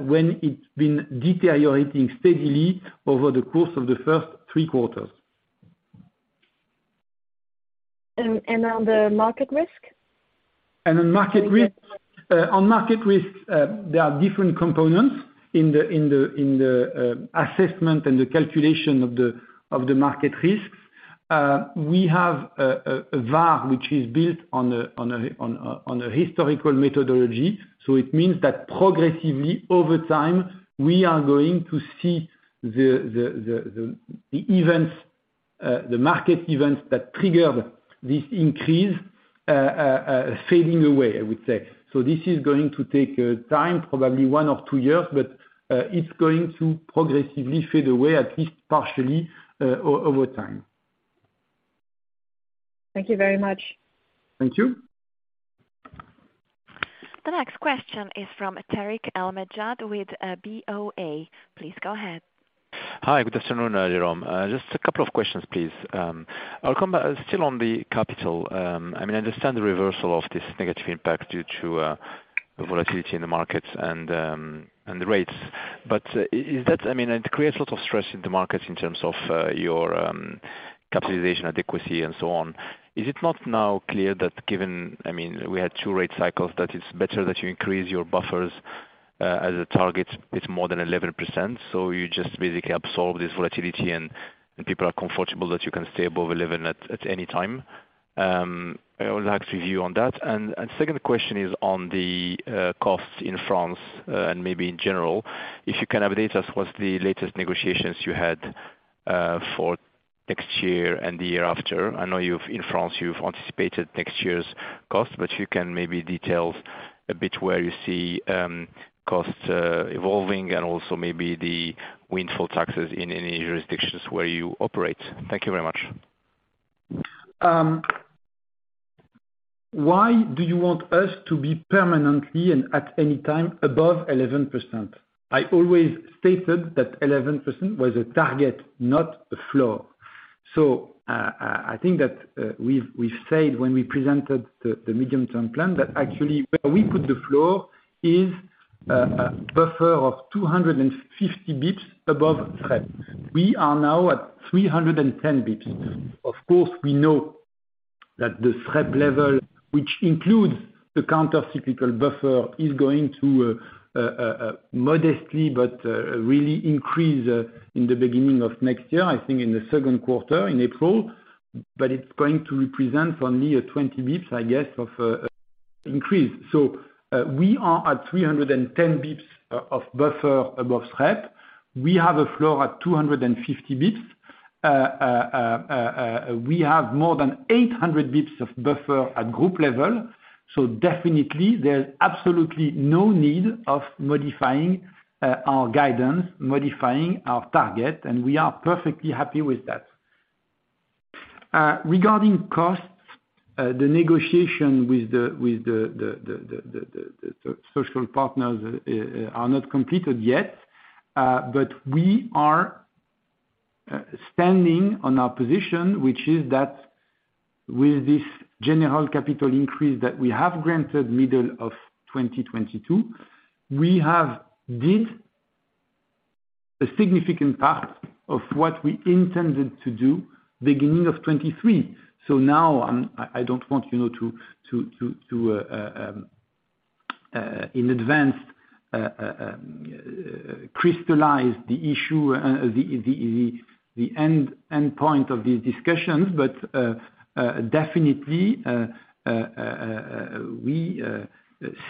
when it's been deteriorating steadily over the course of the first three quarters. On the market risk? On market risk? Mm-hmm. On market risk, there are different components in the assessment and the calculation of the market risks. We have a VaR which is built on a historical methodology, so it means that progressively over time, we are going to see the market events that triggered this increase fading away, I would say. This is going to take time, probably one or two years, but it's going to progressively fade away, at least partially, over time. Thank you very much. Thank you. The next question is from Tarik El Mejjad with BofA. Please go ahead. Hi, good afternoon, Jérôme. Just a couple of questions, please. Still on the capital. I mean, I understand the reversal of this negative impact due to the volatility in the markets and the rates. But is that? I mean, it creates a lot of stress in the markets in terms of your capital adequacy and so on. Is it not now clear that given we had two rate cycles, that it's better that you increase your buffers as a target, it's more than 11%, so you just basically absorb this volatility and people are comfortable that you can stay above 11% at any time? I would like to hear you on that. Second question is on the costs in France and maybe in general. If you can update us what's the latest negotiations you had for next year and the year after. I know in France, you've anticipated next year's cost, but you can maybe detail a bit where you see costs evolving and also maybe the windfall taxes in any jurisdictions where you operate. Thank you very much. Why do you want us to be permanently and at any time above 11%? I always stated that 11% was a target, not a floor. I think that we've said when we presented the medium-term plan, that actually where we put the floor is buffer of 250 basis points above SREP. We are now at 310 basis points. Of course, we know that the SREP level, which includes the counter cyclical buffer, is going to modestly but really increase in the beginning of next year, I think in the second quarter, in April. But it's going to represent only a 20 basis points, I guess, of increase. We are at 310 basis points of buffer above SREP. We have a floor at 250 basis points. We have more than 800 basis points of buffer at group level, so definitely there's absolutely no need of modifying our guidance, modifying our target, and we are perfectly happy with that. Regarding costs, the negotiation with the social partners are not completed yet. We are standing on our position, which is that with this general capital increase that we have granted middle of 2022, we have done a significant part of what we intended to do beginning of 2023. Now, I don't want, you know, to crystallize in advance the issue, the end point of these discussions. Definitely, we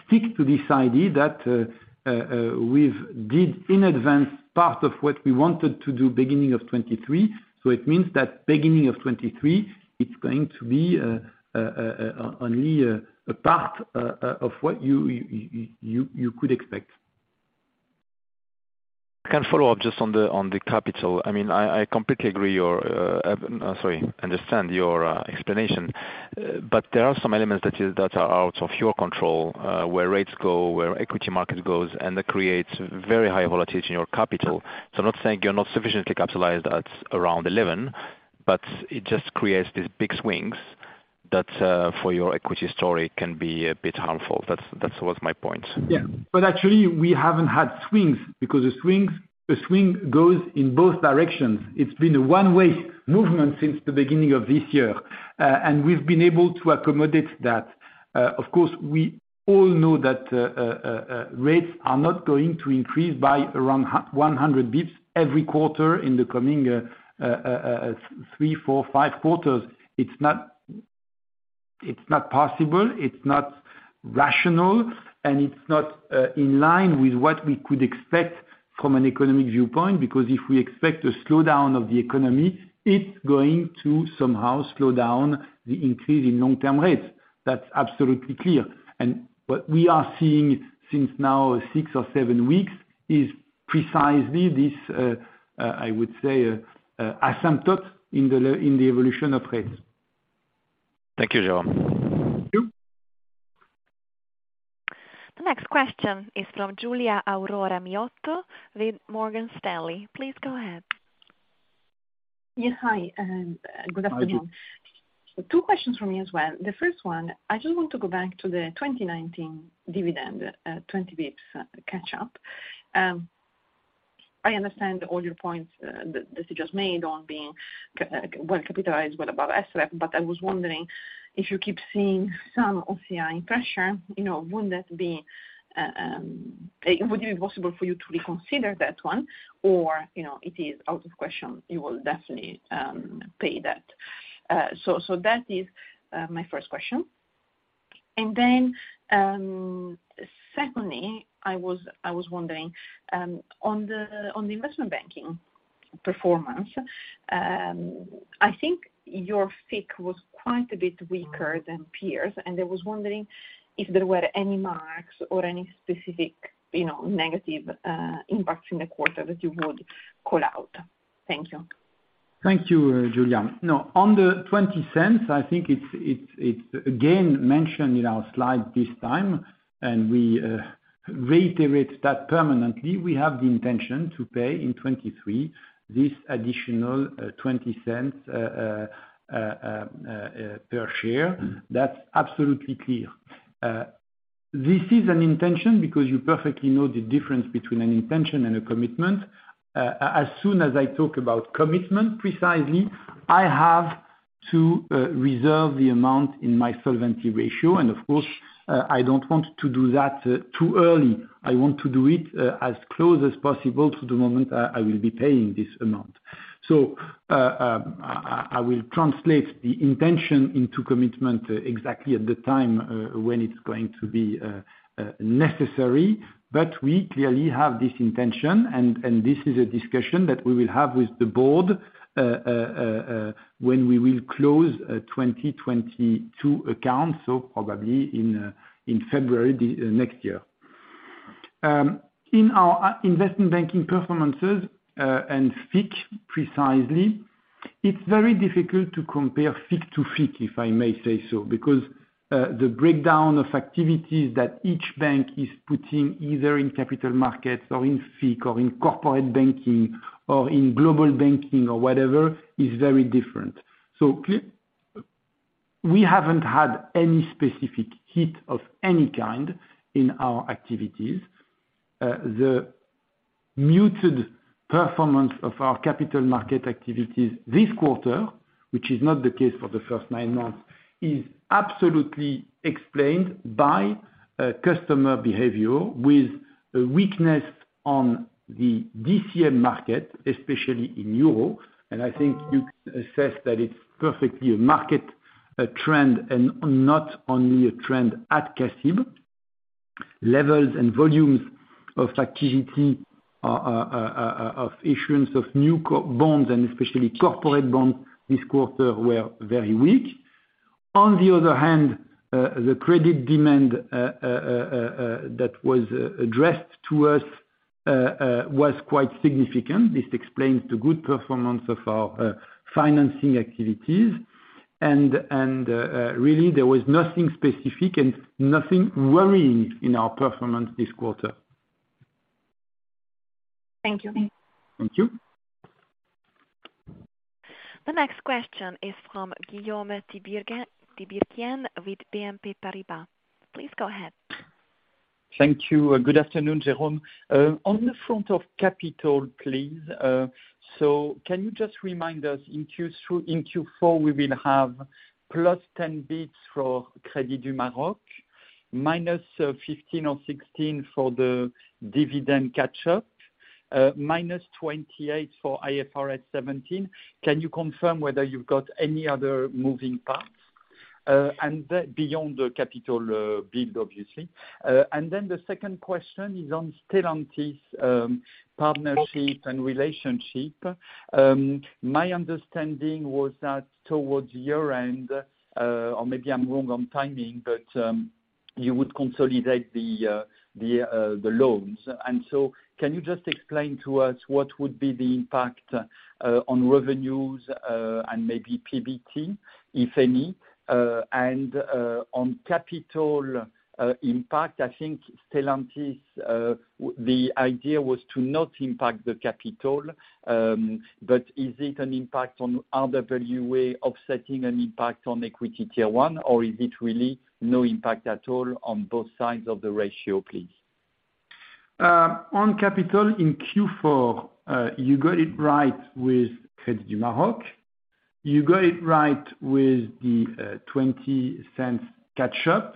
stick to this idea that we've did in advance part of what we wanted to do beginning of 2023. It means that beginning of 2023, it's going to be only a part of what you could expect. Can I follow up just on the capital? I mean, I completely understand your explanation. There are some elements that are out of your control, where rates go, where equity market goes, and that creates very high volatility in your capital. I'm not saying you're not sufficiently capitalized at around 11%, but it just creates these big swings that, for your equity story, can be a bit harmful. That's was my point. Yeah. Actually, we haven't had swings, because the swings go in both directions. It's been a one-way movement since the beginning of this year. We've been able to accommodate that. Of course, we all know that rates are not going to increase by around 100 basis points every quarter in the coming three, four, five quarters. It's not possible, it's not rational, and it's not in line with what we could expect from an economic viewpoint, because if we expect a slowdown of the economy, it's going to somehow slow down the increase in long-term rates. That's absolutely clear. What we are seeing since now six or seven weeks is precisely this, I would say, asymptote in the evolution of rates. Thank you, Jérôme. Thank you. The next question is from Giulia Aurora Miotto with Morgan Stanley. Please go ahead. Yeah. Hi, and good afternoon. Hi. Two questions from me as well. The first one, I just want to go back to the 2019 dividend, 20 basis points catch-up. I understand all your points that you just made on being well capitalized, well above SREP, but I was wondering if you keep seeing some OCI pressure, you know, wouldn't it be possible for you to reconsider that one? Or, you know, it is out of question, you will definitely pay that. That is my first question. Secondly, I was wondering on the investment banking performance, I think your FIC was quite a bit weaker than peers, and I was wondering if there were any marks or any specific, you know, negative impacts in the quarter that you would call out. Thank you. Thank you, Giulia. No, on the 0.20, I think it's again mentioned in our slide this time, and we reiterate that permanently. We have the intention to pay in 2023 this additional 0.20 per share. That's absolutely clear. This is an intention because you perfectly know the difference between an intention and a commitment. As soon as I talk about commitment, precisely, I have to reserve the amount in my solvency ratio, and of course, I don't want to do that too early. I want to do it as close as possible to the moment I will be paying this amount. I will translate the intention into commitment exactly at the time when it's going to be necessary. We clearly have this intention and this is a discussion that we will have with the board, when we will close 2022 accounts, so probably in February next year. In our investment banking performances and FIC precisely, it's very difficult to compare FIC to FIC, if I may say so, because the breakdown of activities that each bank is putting either in capital markets or in FIC or in corporate banking or in global banking or whatever, is very different. We haven't had any specific hit of any kind in our activities. The muted performance of our capital market activities this quarter, which is not the case for the first nine months, is absolutely explained by a customer behavior with a weakness on the DCM market, especially in Europe. I think you can assess that it's perfectly a market trend and not only a trend at CACIB. Levels and volumes of activity of issuance of new coco bonds and especially corporate bonds this quarter were very weak. On the other hand, the credit demand that was addressed to us was quite significant. This explains the good performance of our financing activities. Really there was nothing specific and nothing worrying in our performance this quarter. Thank you. Thank you. The next question is from Guillaume Tiberghien with BNP Paribas. Please go ahead. Thank you. Good afternoon, Jérôme. On the capital front, please, so can you just remind us, in Q4 we will have +10 basis points for Crédit du Maroc, minus 15 or 16 for the dividend catch-up, minus 28 for IFRS 17. Can you confirm whether you've got any other moving parts? Beyond the capital build, obviously. The second question is on Stellantis partnership and relationship. My understanding was that towards year-end, or maybe I'm wrong on timing, but you would consolidate the loans. Can you just explain to us what would be the impact on revenues and maybe PBT, if any? On capital impact, I think Stellantis, the idea was to not impact the capital, but is it an impact on RWA offsetting an impact on equity tier one, or is it really no impact at all on both sides of the ratio, please? On capital in Q4, you got it right with Crédit du Maroc. You got it right with the 0.20 catch-up.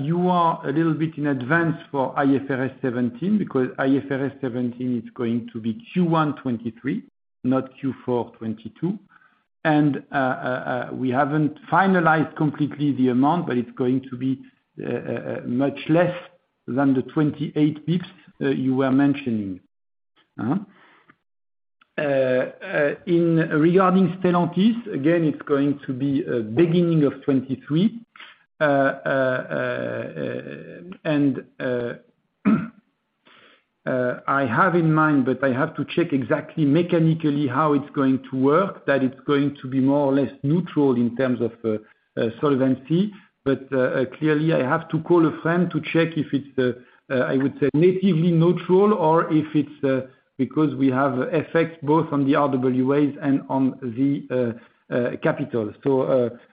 You are a little bit in advance for IFRS 17, because IFRS 17 is going to be Q1 2023, not Q4 2022. We haven't finalized completely the amount, but it's going to be much less than the 28 basis points you were mentioning. Regarding Stellantis, again, it's going to be beginning of 2023. I have in mind, but I have to check exactly mechanically how it's going to work, that it's going to be more or less neutral in terms of solvency. Clearly, I have to call a friend to check if it's natively neutral, I would say, or if it's because we have effects both on the RWAs and on the capital.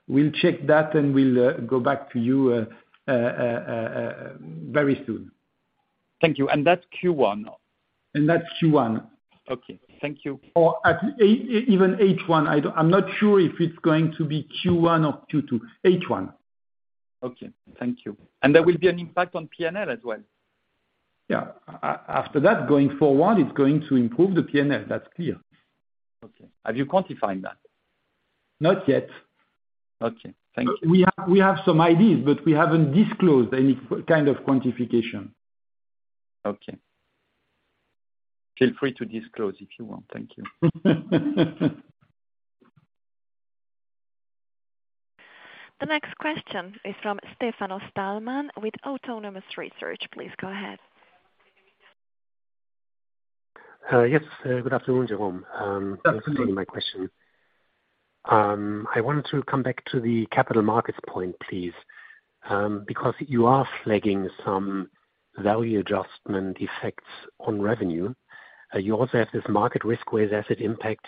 We'll check that and we'll go back to you very soon. Thank you. That's Q1? That's Q1. Okay. Thank you. At even H1. I'm not sure if it's going to be Q1 or Q2. H1. Okay. Thank you. There will be an impact on P&L as well? Yeah. After that, going forward, it's going to improve the P&L. That's clear. Okay. Have you quantified that? Not yet. Okay. Thank you. We have some ideas, but we haven't disclosed any kind of quantification. Okay. Feel free to disclose if you want. Thank you. The next question is from Stefan Stalmann with Autonomous Research. Please go ahead. Good afternoon, Jérôme? Thank you for taking my question. I wanted to come back to the capital markets point, please, because you are flagging some value adjustment effects on revenue. You also have this market risk-weighted asset impact,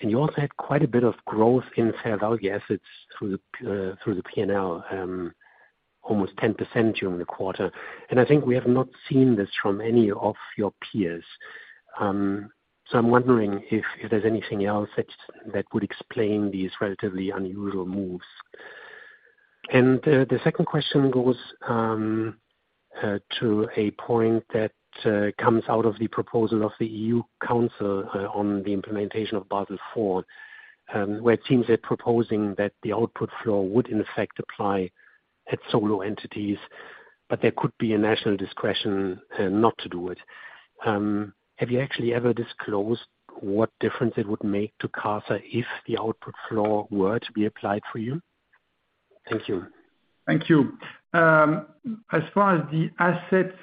and you also had quite a bit of growth in fair value assets through the P&L, almost 10% during the quarter. I think we have not seen this from any of your peers. I'm wondering if there's anything else that would explain these relatively unusual moves. The second question goes to a point that comes out of the proposal of the EU Council on the implementation of Basel IV, where it seems they're proposing that the output floor would in effect apply at solo entities, but there could be a national discretion not to do it. Have you actually ever disclosed what difference it would make to CASA if the output floor were to be applied for you? Thank you. Thank you. As far as the assets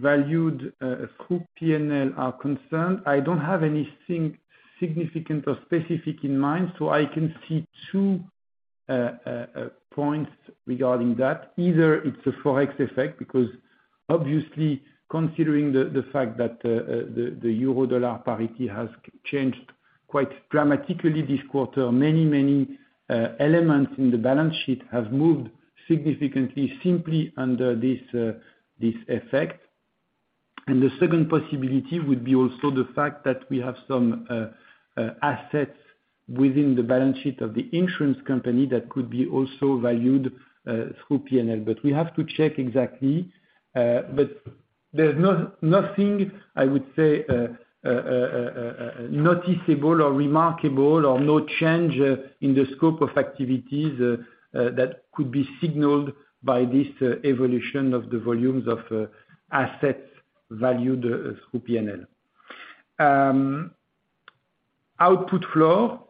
valued through P&L are concerned, I don't have anything significant or specific in mind, so I can see two points regarding that. Either it's a Forex effect, because obviously considering the fact that the euro dollar parity has changed quite dramatically this quarter, many elements in the balance sheet have moved significantly simply under this effect. The second possibility would be also the fact that we have some assets within the balance sheet of the insurance company that could be also valued through P&L. We have to check exactly. There's nothing, I would say, noticeable or remarkable or no change in the scope of activities, that could be signaled by this evolution of the volumes of assets valued through P&L. Output floor,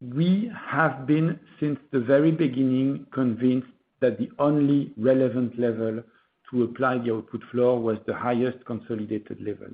we have been, since the very beginning, convinced that the only relevant level to apply the output floor was the highest consolidated level.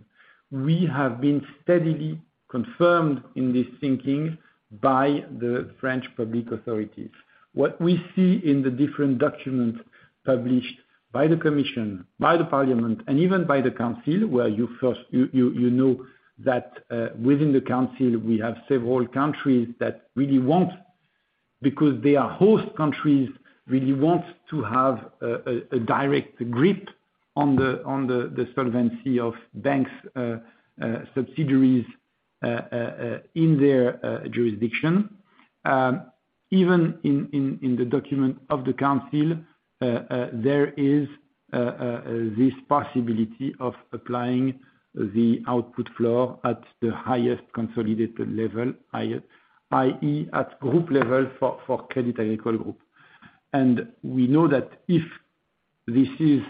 We have been steadily confirmed in this thinking by the French public authorities. What we see in the different documents published by the commission, by the parliament, and even by the council, you know that, within the council we have several countries that really want, because they are host countries, really want to have a direct grip on the solvency of banks' in their jurisdiction. Even in the document of the council, there is this possibility of applying the output floor at the highest consolidated level, i.e., at group level for Crédit Agricole Group. We know that if this is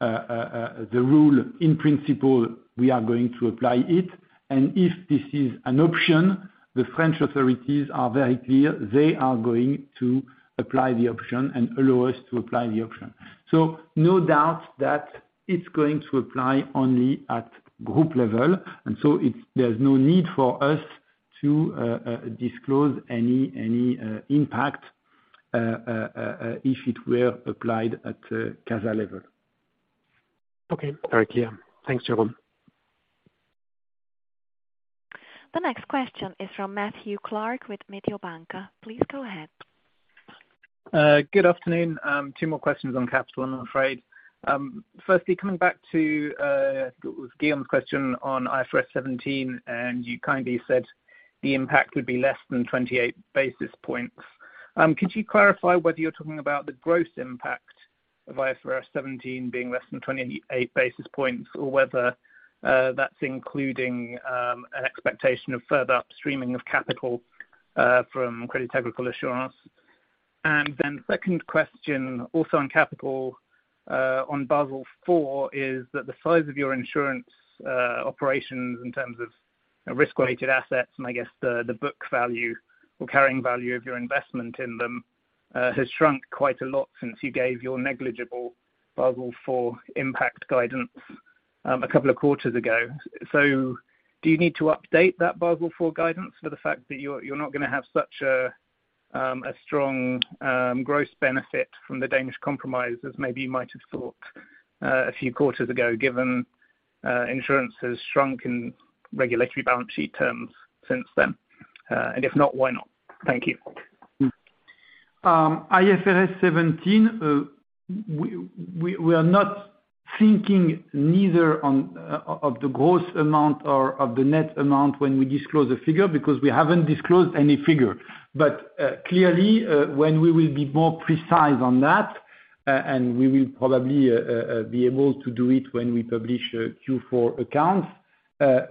the rule in principle, we are going to apply it. If this is an option, the French authorities are very clear, they are going to apply the option and allow us to apply the option. No doubt that it's going to apply only at group level. There's no need for us to disclose any impact if it were applied at CASA level. Okay. Very clear. Thanks, Jérôme. The next question is from Matthew Clark with Mediobanca. Please go ahead. Good afternoon. Two more questions on capital, I'm afraid. Firstly, coming back to it was Guillaume's question on IFRS 17, and you kindly said the impact would be less than 28 basis points. Could you clarify whether you're talking about the gross impact of IFRS 17 being less than 28 basis points or whether that's including an expectation of further upstreaming of capital from Crédit Agricole Assurances? Second question, also on capital, on Basel IV, is that the size of your insurance operations in terms of risk-weighted assets, and I guess the book value or carrying value of your investment in them has shrunk quite a lot since you gave your negligible Basel IV impact guidance a couple of quarters ago. Do you need to update that Basel IV guidance for the fact that you're not gonna have such a strong gross benefit from the Danish Compromise as maybe you might have thought a few quarters ago, given insurance has shrunk in regulatory balance sheet terms since then? If not, why not? Thank you. IFRS 17, we are not thinking of either the gross amount or the net amount when we disclose a figure, because we haven't disclosed any figure. Clearly, when we will be more precise on that, and we will probably be able to do it when we publish Q4 accounts,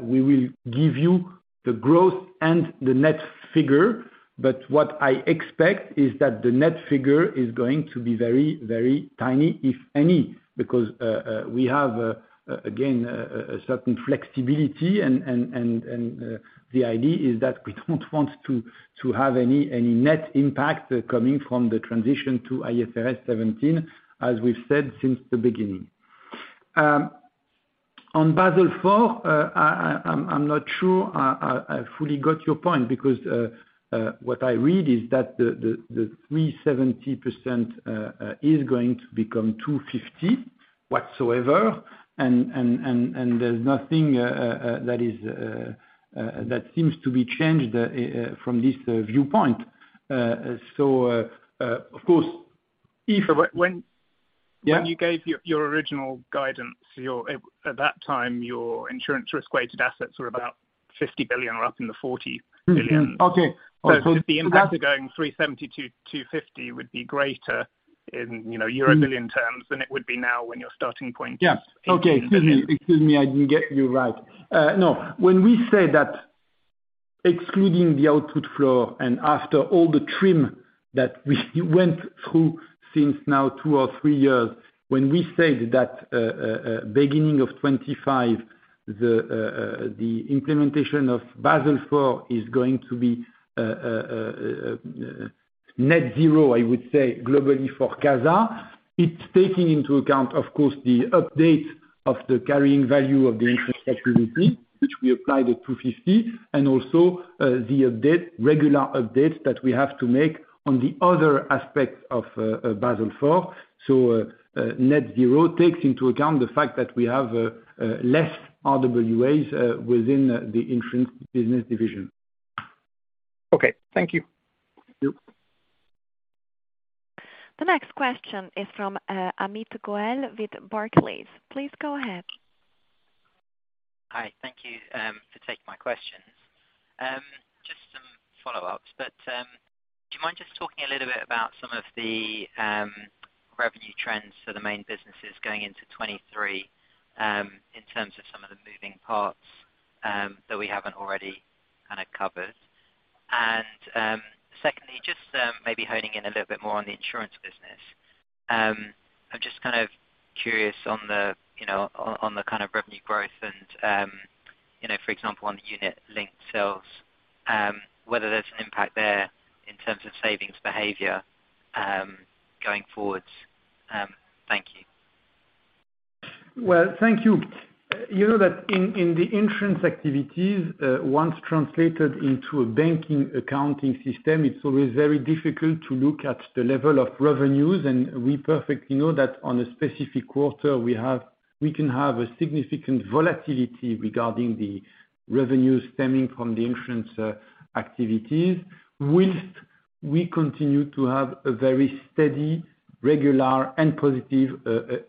we will give you the gross and the net figure. What I expect is that the net figure is going to be very, very tiny, if any, because we have again a certain flexibility and the idea is that we don't want to have any net impact coming from the transition to IFRS 17, as we've said since the beginning. On Basel IV, I'm not sure I fully got your point because what I read is that the 370% is going to become 250% whatsoever, and there's nothing that seems to be changed from this viewpoint. Of course- If, when Yeah. When you gave your original guidance, at that time, your insurance risk weighted assets were about 50 billion or up in the 40 billion. Mm-hmm. Okay. The impact of going 3.70%-2.50% would be greater in, you know Mm. euro billion terms than it would be now when your starting point is Yeah. Okay. EUR 8 billion. Excuse me. Excuse me, I didn't get you right. No, when we say that excluding the output floor and after all the trim that we went through in the last two or three years, when we said that, beginning of 2025, the implementation of Basel IV is going to be net zero, I would say globally for CASA, it's taking into account, of course, the update of the carrying value of the infrastructure, which we applied at 250, and also the regular updates that we have to make on the other aspects of Basel IV. Net zero takes into account the fact that we have less RWAs within the insurance business division. Okay. Thank you. Thank you. The next question is from Amit Goel with Barclays. Please go ahead. Hi. Thank you for taking my questions. Just some follow ups, but do you mind just talking a little bit about some of the revenue trends for the main businesses going into 2023, in terms of some of the moving parts that we haven't already kind of covered? Secondly, just maybe honing in a little bit more on the insurance business. I'm just kind of curious on the, you know, on the kind of revenue growth and, you know, for example, on the unit linked sales, whether there's an impact there in terms of savings behavior, going forward. Thank you. Well, thank you. You know that in the insurance activities, once translated into a banking accounting system, it's always very difficult to look at the level of revenues. We perfectly know that on a specific quarter we have, we can have a significant volatility regarding the revenues stemming from the insurance activities, while we continue to have a very steady, regular and positive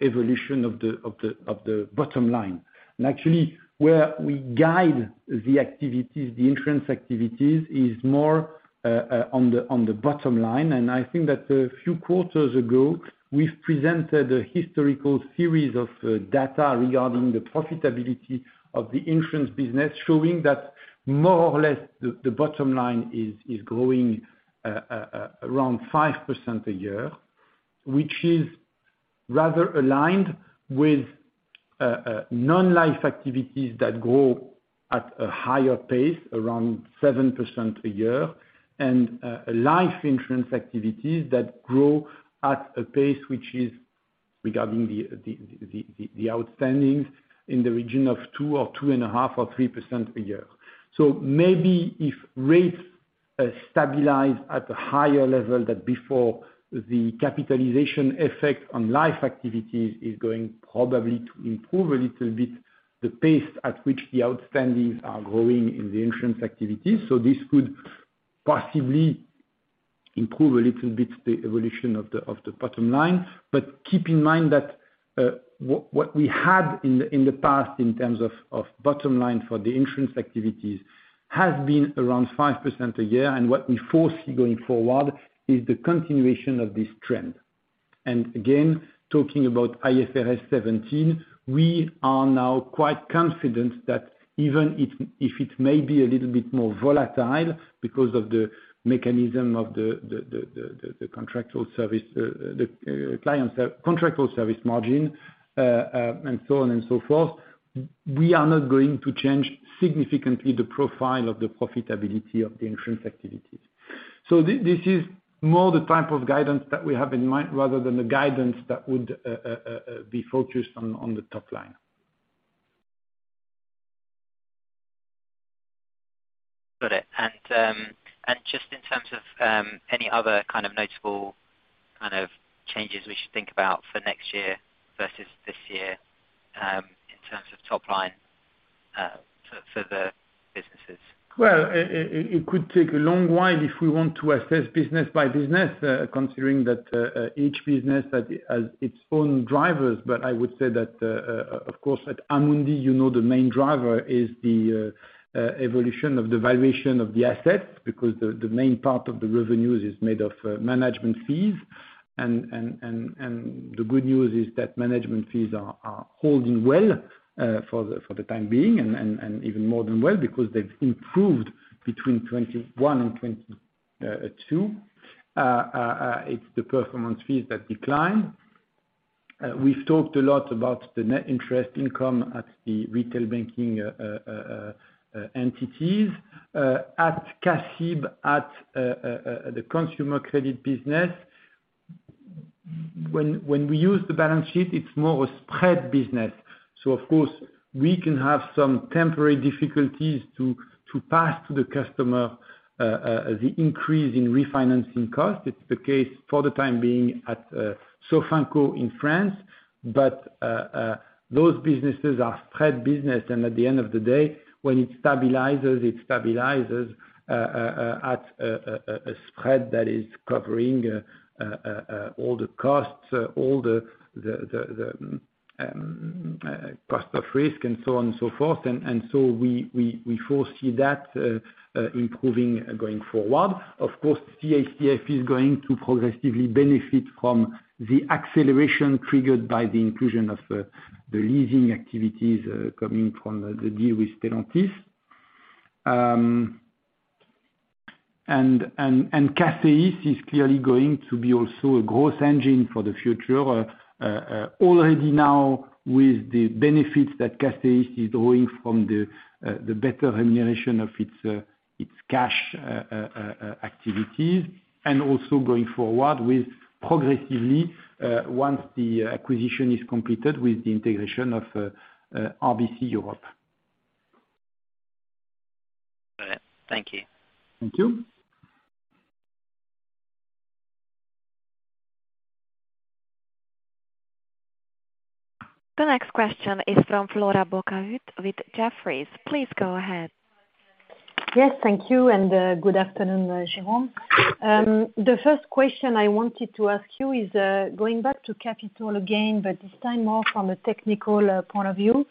evolution of the bottom line. Actually, where we guide the activities, the insurance activities, is more on the bottom line. I think that a few quarters ago we've presented a historical series of data regarding the profitability of the insurance business, showing that more or less the bottom line is growing around 5% a year, which is rather aligned with non-life activities that grow at a higher pace around 7% a year, and life insurance activities that grow at a pace which is regarding the outstanding in the region of 2% or 2.5% or 3% a year. Maybe if rates stabilize at a higher level than before, the capitalization effect on life activities is going probably to improve a little bit the pace at which the outstanding are growing in the insurance activities. This could possibly improve a little bit the evolution of the bottom-line. Keep in mind that what we had in the past in terms of bottom line for the insurance activities has been around 5% a year. What we foresee going forward is the continuation of this trend. Again, talking about IFRS 17, we are now quite confident that even if it may be a little bit more volatile because of the mechanism of the contractual service margin and so on and so forth, we are not going to change significantly the profile of the profitability of the insurance activities. This is more the type of guidance that we have in mind rather than the guidance that would be focused on the top line. Got it. Just in terms of any other kind of notable kind of changes we should think about for next year versus this year, in terms of top line? For the businesses. Well, it could take a long while if we want to assess business by business, considering that each business has its own drivers. I would say that of course, at Amundi, you know, the main driver is the evolution of the valuation of the assets, because the main part of the revenues is made of management fees. And the good news is that management fees are holding well for the time being, and even more than well, because they've improved between 2021 and 2022. It's the performance fees that decline. We've talked a lot about the net interest income at the retail banking entities. At CACIB, at the consumer credit business, when we use the balance sheet, it's more a spread business. Of course, we can have some temporary difficulties to pass to the customer the increase in refinancing costs. It's the case for the time being at Sofinco in France. Those businesses are spread business, and at the end of the day, when it stabilizes, it stabilizes at a spread that is covering all the costs, all the cost of risk and so on and so forth. We foresee that improving going forward. Of course, CACF is going to progressively benefit from the acceleration triggered by the inclusion of the leasing activities coming from the deal with Stellantis. CACEIS is clearly going to be also a growth engine for the future. Already now with the benefits that CACEIS is drawing from the better remuneration of its cash activities, and also going forward with progressively once the acquisition is completed with the integration of RBC Europe. All right. Thank you. Thank you. The next question is from Flora Bocahut with Jefferies. Please go ahead. Yes, thank you, and good afternoon, Jérôme? The first question I wanted to ask you is going back to capital again, but this time more from a technical point of view.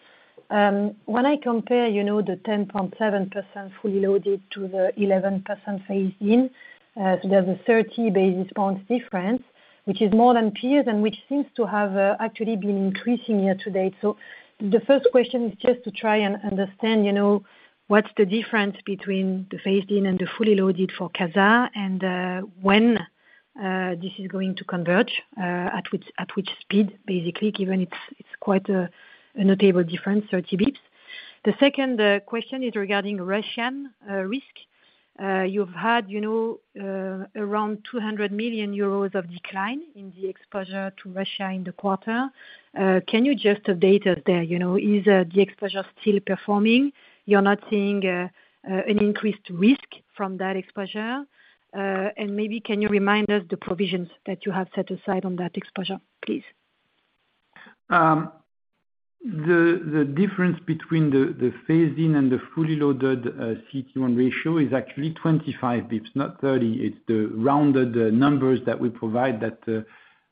When I compare, you know, the 10.7% fully loaded to the 11% phased in, so there's a 30 basis points difference, which is more than peers and which seems to have actually been increasing year to date. The first question is just to try and understand, you know, what's the difference between the phased in and the fully loaded for CASA? And when this is going to converge at which speed, basically, given it's quite a notable difference, 30 basis points. The second question is regarding Russian risk. You've had, you know, around 200 million euros of decline in the exposure to Russia in the quarter. Can you just update us there? You know, is the exposure still performing? You're not seeing an increased risk from that exposure? Maybe can you remind us the provisions that you have set aside on that exposure, please? The difference between the phased in and the fully loaded CET1 ratio is actually 25 basis points, not 30. It's the rounded numbers that we provide that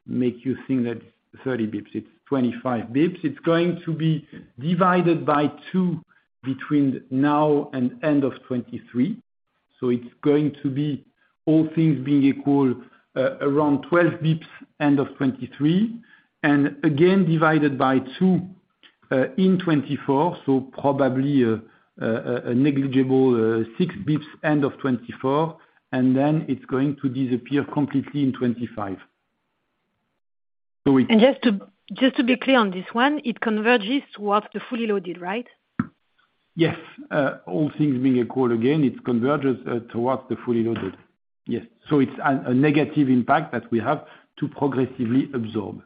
make you think that it's 30 basis points. It's 25 basis points. It's going to be divided by two between now and end of 2023. It's going to be all things being equal, around 12 basis points end of 2023, and again divided by two in 2024, so probably a negligible 6 basis points end of 2024, and then it's going to disappear completely in 2025. Just to be clear on this one, it converges towards the fully loaded, right? Yes. All things being equal, again, it converges towards the fully loaded. Yes. It's a negative impact that we have to progressively absorb.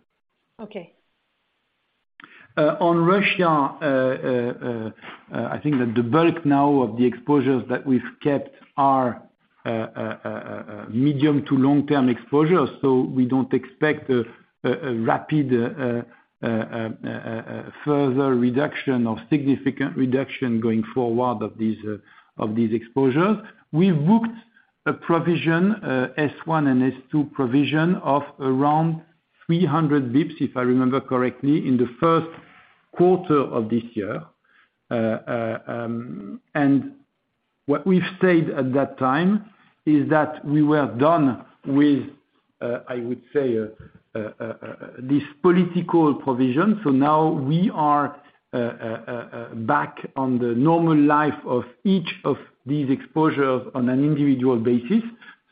Okay. On Russia, I think that the bulk now of the exposures that we've kept are medium- to long-term exposures, so we don't expect a rapid further reduction or significant reduction going forward of these exposures. We've booked a provision, S1 and S2 provision of around 300 basis points, if I remember correctly, in the first quarter of this year. What we've said at that time is that we were done with, I would say, this political provision. Now we are back on the normal life of each of these exposures on an individual basis.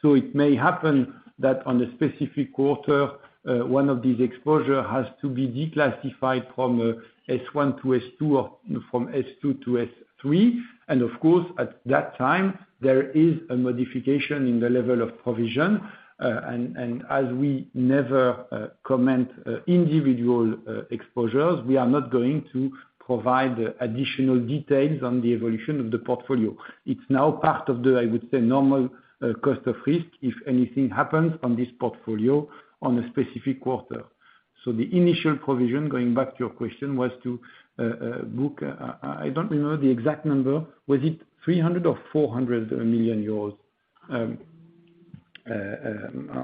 It may happen that on a specific quarter, one of these exposures has to be declassified from S1 to S2, or from S2 to S3. And of course, at that time, there is a modification in the level of provision. And as we never comment on individual exposures, we are not going to provide additional details on the evolution of the portfolio. It's now part of the, I would say, normal cost of risk if anything happens on this portfolio on a specific quarter. The initial provision, going back to your question, was to book. I don't remember the exact number. Was it 300 million or 400 million euros?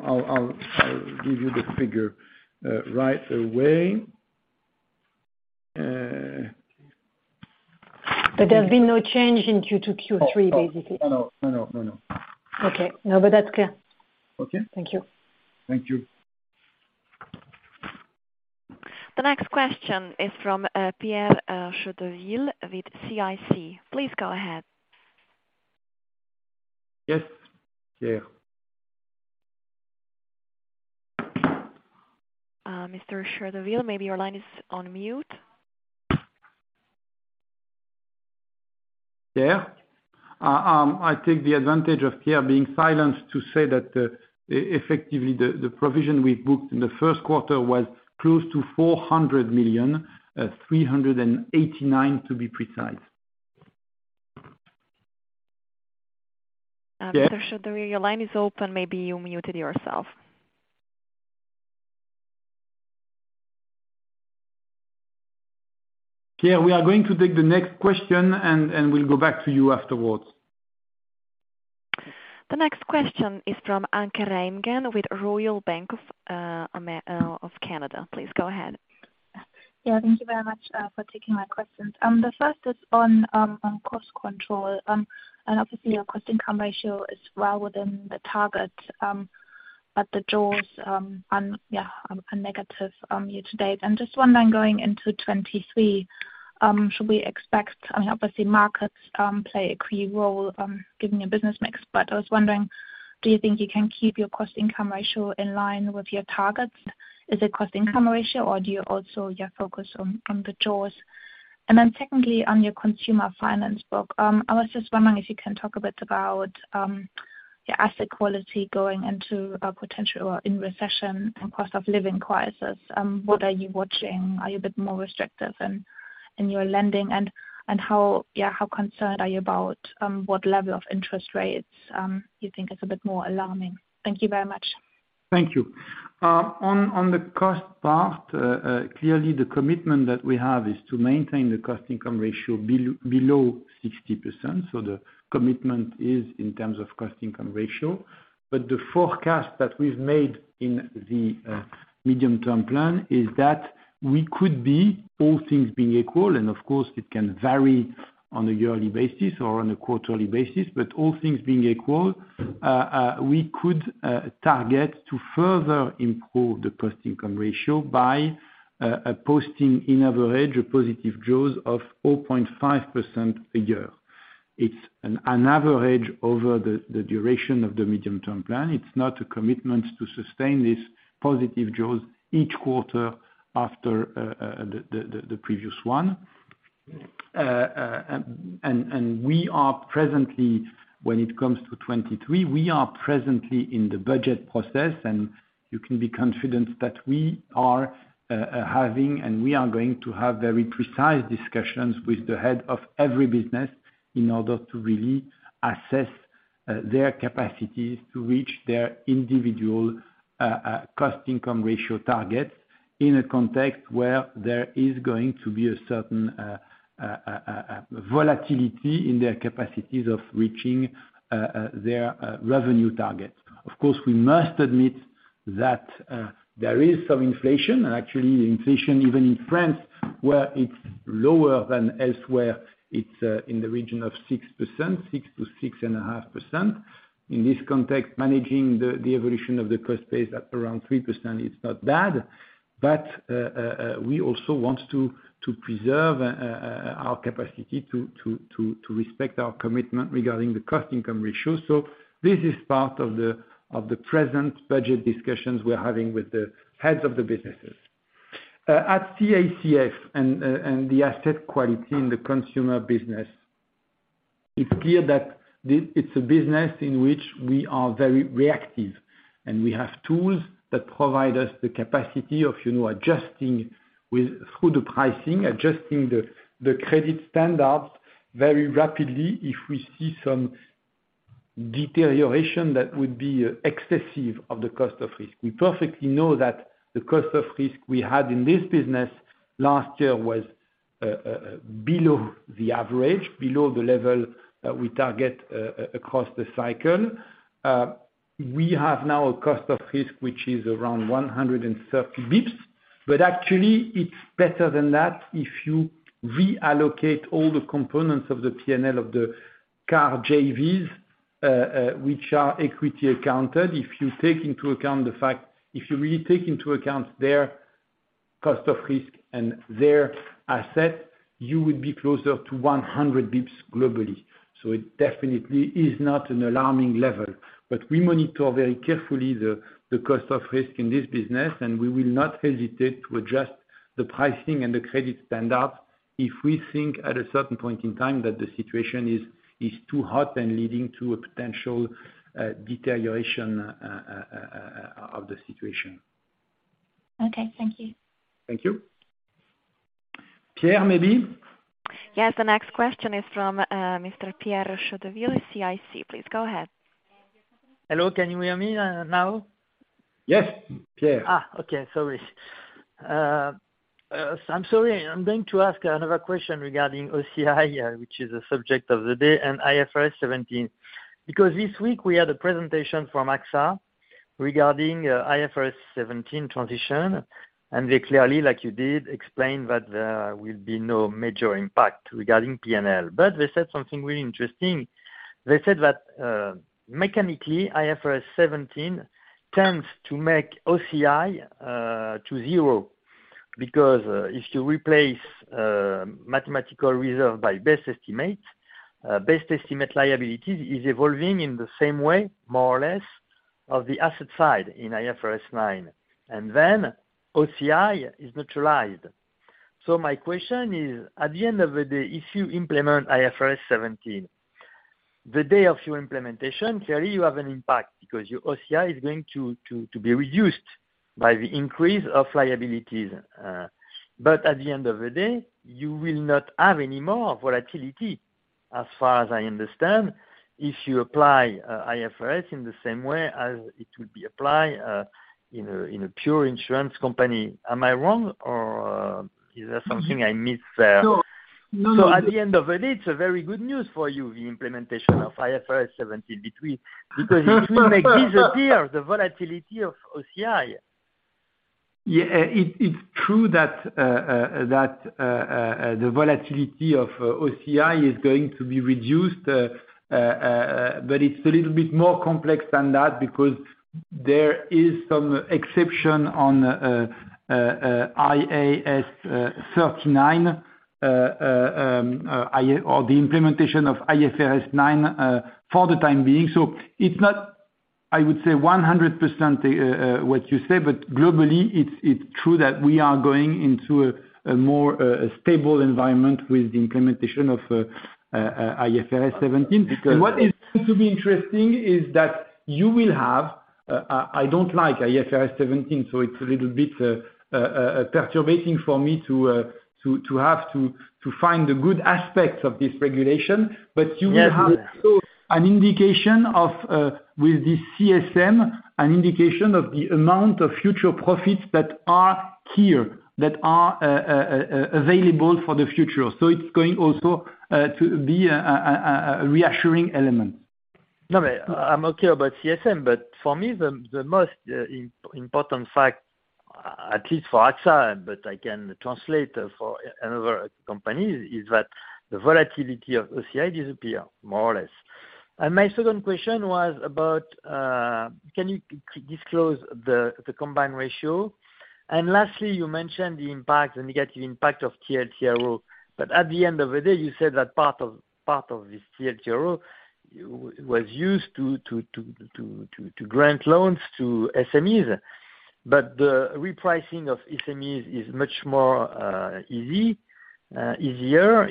I'll give you the figure right away. There's been no change in Q2, Q3, basically. Oh, no, no. Okay. No, that's clear. Okay. Thank you. Thank you. The next question is from Pierre Chédeville with CIC. Please go ahead. Yes, Pierre. Mr. Chédeville, maybe your line is on mute. Pierre, I take the advantage of Pierre being silenced to say that effectively the provision we booked in the first quarter was close to 400 million, 389 million to be precise. Pierre? Mr. Chédeville, your line is open, maybe you muted yourself. Pierre, we are going to take the next question, and we'll go back to you afterwards. The next question is from Anke Reingen with Royal Bank of Canada. Please go ahead. Yeah, thank you very much for taking my questions. The first is on cost control. Obviously, your cost income ratio is well within the target. But the jaws on negative year to date. Just wondering, going into 2023, should we expect, I mean, obviously markets play a key role given your business mix, but I was wondering, do you think you can keep your cost income ratio in line with your targets? Is it cost income ratio, or do you also yeah focus on the jaws? Then secondly, on your consumer finance book, I was just wondering if you can talk a bit about your asset quality going into a potential or in recession and cost of living crisis. What are you watching? Are you a bit more restrictive in your lending? How concerned are you about what level of interest rates you think is a bit more alarming? Thank you very much. Thank you. On the cost part, clearly the commitment that we have is to maintain the cost income ratio below 60%. The commitment is in terms of cost income ratio. The forecast that we've made in the medium term plan is that we could be, all things being equal, and of course it can vary on a yearly basis or on a quarterly basis, but all things being equal, we could target to further improve the cost income ratio by posting on average a positive jaws of 4.5% a year. It's an average over the duration of the medium term plan. It's not a commitment to sustain this positive jaws each quarter after the previous one. We are presently, when it comes to 2023, in the budget process, and you can be confident that we are having and we are going to have very precise discussions with the head of every business in order to really assess their capacities to reach their individual cost income ratio targets in a context where there is going to be a certain volatility in their capacities of reaching their revenue targets. Of course, we must admit that there is some inflation. Actually inflation even in France, where it's lower than elsewhere, it's in the region of 6%, 6%-6.5%. In this context, managing the evolution of the cost base at around 3% is not bad. We also want to preserve our capacity to respect our commitment regarding the cost income ratio. This is part of the present budget discussions we're having with the heads of the businesses. At CACF and the asset quality in the consumer business, it's clear that it's a business in which we are very reactive, and we have tools that provide us the capacity of, you know, adjusting through the pricing, adjusting the credit standards very rapidly if we see some deterioration that would be excessive of the cost of risk. We perfectly know that the cost of risk we had in this business last year was below the average, below the level we target across the cycle. We have now a cost of risk which is around 130 basis points. Actually it's better than that if you reallocate all the components of the P&L of the car JVs, which are equity accounted. If you take into account the fact, if you really take into account their cost of risk and their asset, you would be closer to 100 basis points globally. It definitely is not an alarming level. We monitor very carefully the cost of risk in this business, and we will not hesitate to adjust the pricing and the credit standards if we think at a certain point in time that the situation is too hot and leading to a potential deterioration of the situation. Okay, thank you. Thank you. Pierre, maybe. Yes. The next question is from Mr. Pierre Chédeville with CIC, please go ahead. Hello, can you hear me now? Yes, Pierre. I'm sorry, I'm going to ask another question regarding OCI, which is a subject of the day, and IFRS 17. Because this week we had a presentation from AXA regarding IFRS 17 transition, and they clearly, like you did, explained that there will be no major impact regarding PNL. But they said something really interesting. They said that mechanically IFRS 17 tends to make OCI to zero, because if you replace mathematical reserve by best estimate, best estimate liability is evolving in the same way, more or less, of the asset side in IFRS 9, and then OCI is neutralized. My question is, at the end of the day, if you implement IFRS 17, the day of your implementation, clearly you have an impact because your OCI is going to to be reduced by the increase of liabilities. But at the end of the day, you will not have any more volatility, as far as I understand, if you apply IFRS in the same way as it would be applied in a pure insurance company. Am I wrong or is there something I missed there? No. At the end of the day, it's a very good news for you, the implementation of IFRS 17 between. Because it will make disappear the volatility of OCI. It's true that the volatility of OCI is going to be reduced. But it's a little bit more complex than that because there is some exception on IAS 39 or the implementation of IFRS 9 for the time being. It's not, I would say 100%, what you said, but globally it's true that we are going into a more stable environment with the implementation of IFRS 17, because what is going to be interesting is that you will have. I don't like IFRS 17, so it's a little bit perturbating for me to have to find the good aspects of this regulation. Yes. You will have an indication of, with the CSM, an indication of the amount of future profits that are here, available for the future. It's going also to be a reassuring element. No, I'm okay about CSM, but for me, the most important fact, at least for AXA, but I can translate for another company, is that the volatility of OCI disappear more or less. My second question was about can you disclose the combined ratio? Lastly, you mentioned the impact, the negative impact of TLTRO. At the end of the day, you said that part of the TLTRO was used to grant loans to SMEs. The repricing of SMEs is much easier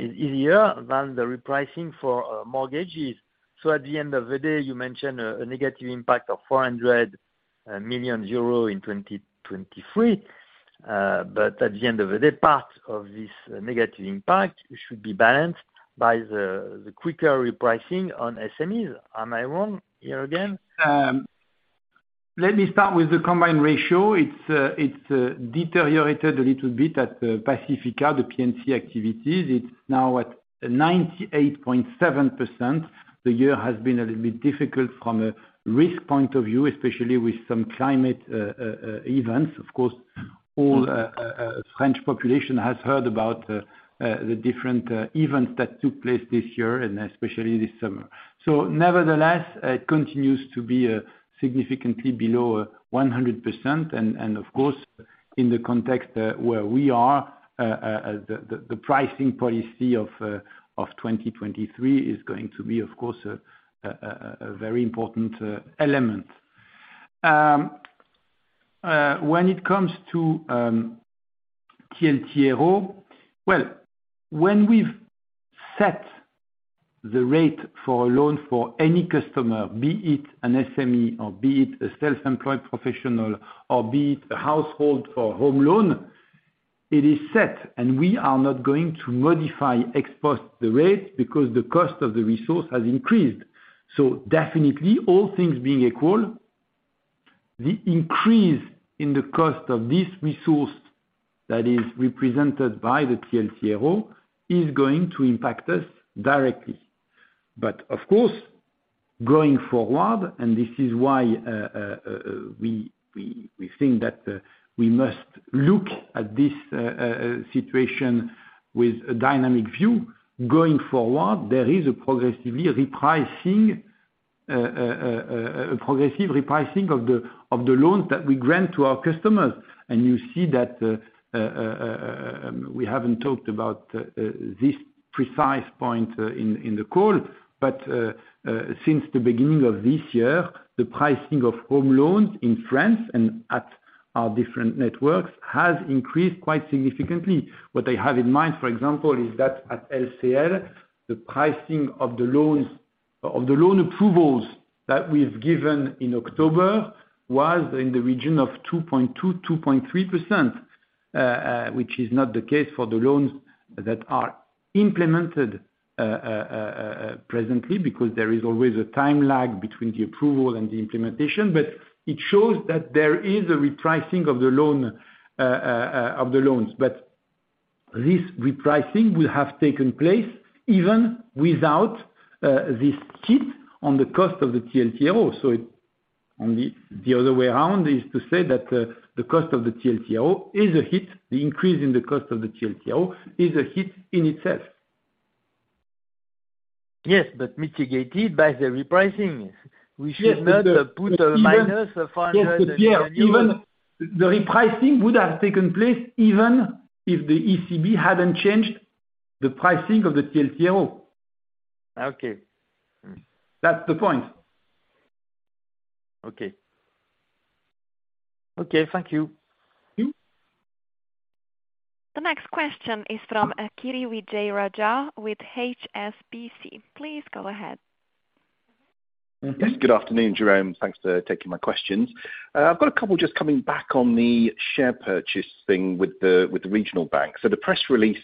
than the repricing for mortgages. At the end of the day, you mentioned a negative impact of 400 million euro in 2023. at the end of the day, part of this negative impact should be balanced by the quicker repricing on SMEs. Am I wrong here again? Let me start with the combined ratio. It's deteriorated a little bit at Pacifica, the P&C activities. It's now at 98.7%. The year has been a little bit difficult from a risk point of view, especially with some climate events. Of course, all French population has heard about the different events that took place this year and especially this summer. Nevertheless, it continues to be significantly below 100%. Of course, in the context where we are, the pricing policy of 2023 is going to be, of course, a very important element. When it comes to TLTRO. Well, when we've set the rate for a loan for any customer, be it an SME or be it a self-employed professional, or be it a household for home loan, it is set, and we are not going to modify or increase the rate because the cost of the resource has increased. Definitely, all things being equal, the increase in the cost of this resource that is represented by the TLTRO is going to impact us directly. Of course, going forward, and this is why, we think that we must look at this situation with a dynamic view. Going forward, there is a progressive repricing of the loans that we grant to our customers. You see that we haven't talked about this precise point in the call, but since the beginning of this year, the pricing of home loans in France and at our different networks has increased quite significantly. What I have in mind, for example, is that at LCL, the pricing of the loan approvals that we've given in October was in the region of 2.2%-2.3%, which is not the case for the loans that are implemented presently, because there is always a time lag between the approval and the implementation, but it shows that there is a repricing of the loans. This repricing will have taken place even without this hit on the cost of the TLTRO. It The other way around is to say that the cost of the TLTRO is a hit. The increase in the cost of the TLTRO is a hit in itself. Yes, but mitigated by the repricing. Yes, but even- We should not put a minus of 500 and. Yes, Pierre, even the repricing would have taken place even if the ECB hadn't changed the pricing of the TLTRO. Okay. That's the point. Okay. Okay, thank you. Mm-hmm. The next question is from Kiri Vijayarajah with HSBC. Please go ahead. Yes. Good afternoon, Jérôme. Thanks for taking my questions. I've got a couple just coming back on the share purchase thing with the regional bank. The press release,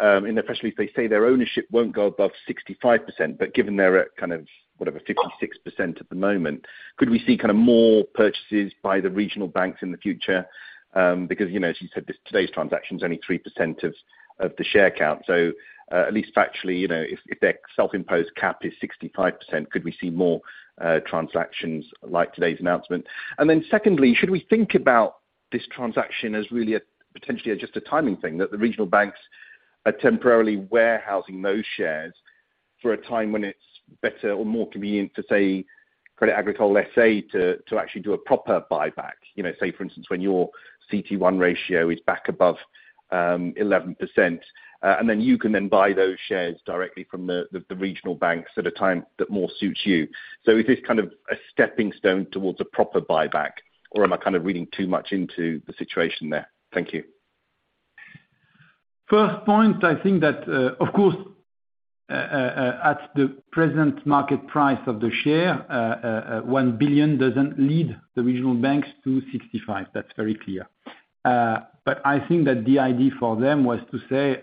in the press release, they say their ownership won't go above 65%, but given they're at kind of, whatever, 56% at the moment, could we see kind of more purchases by the regional banks in the future? Because, you know, as you said, this, today's transaction is only 3% of the share count. At least factually, you know, if their self-imposed cap is 65%, could we see more transactions like today's announcement? Then secondly, should we think about this transaction as really a potentially just a timing thing, that the regional banks are temporarily warehousing those shares for a time when it's better or more convenient for, say, Crédit Agricole, let's say, to actually do a proper buyback? You know, say for instance, when your CET1 ratio is back above 11%, and then you can buy those shares directly from the regional banks at a time that more suits you. Is this kind of a stepping stone towards a proper buyback, or am I kind of reading too much into the situation there? Thank you. First point, I think that, of course, at the present market price of the share, 1 billion doesn't lead the regional banks to 65. That's very clear. But I think that the idea for them was to say,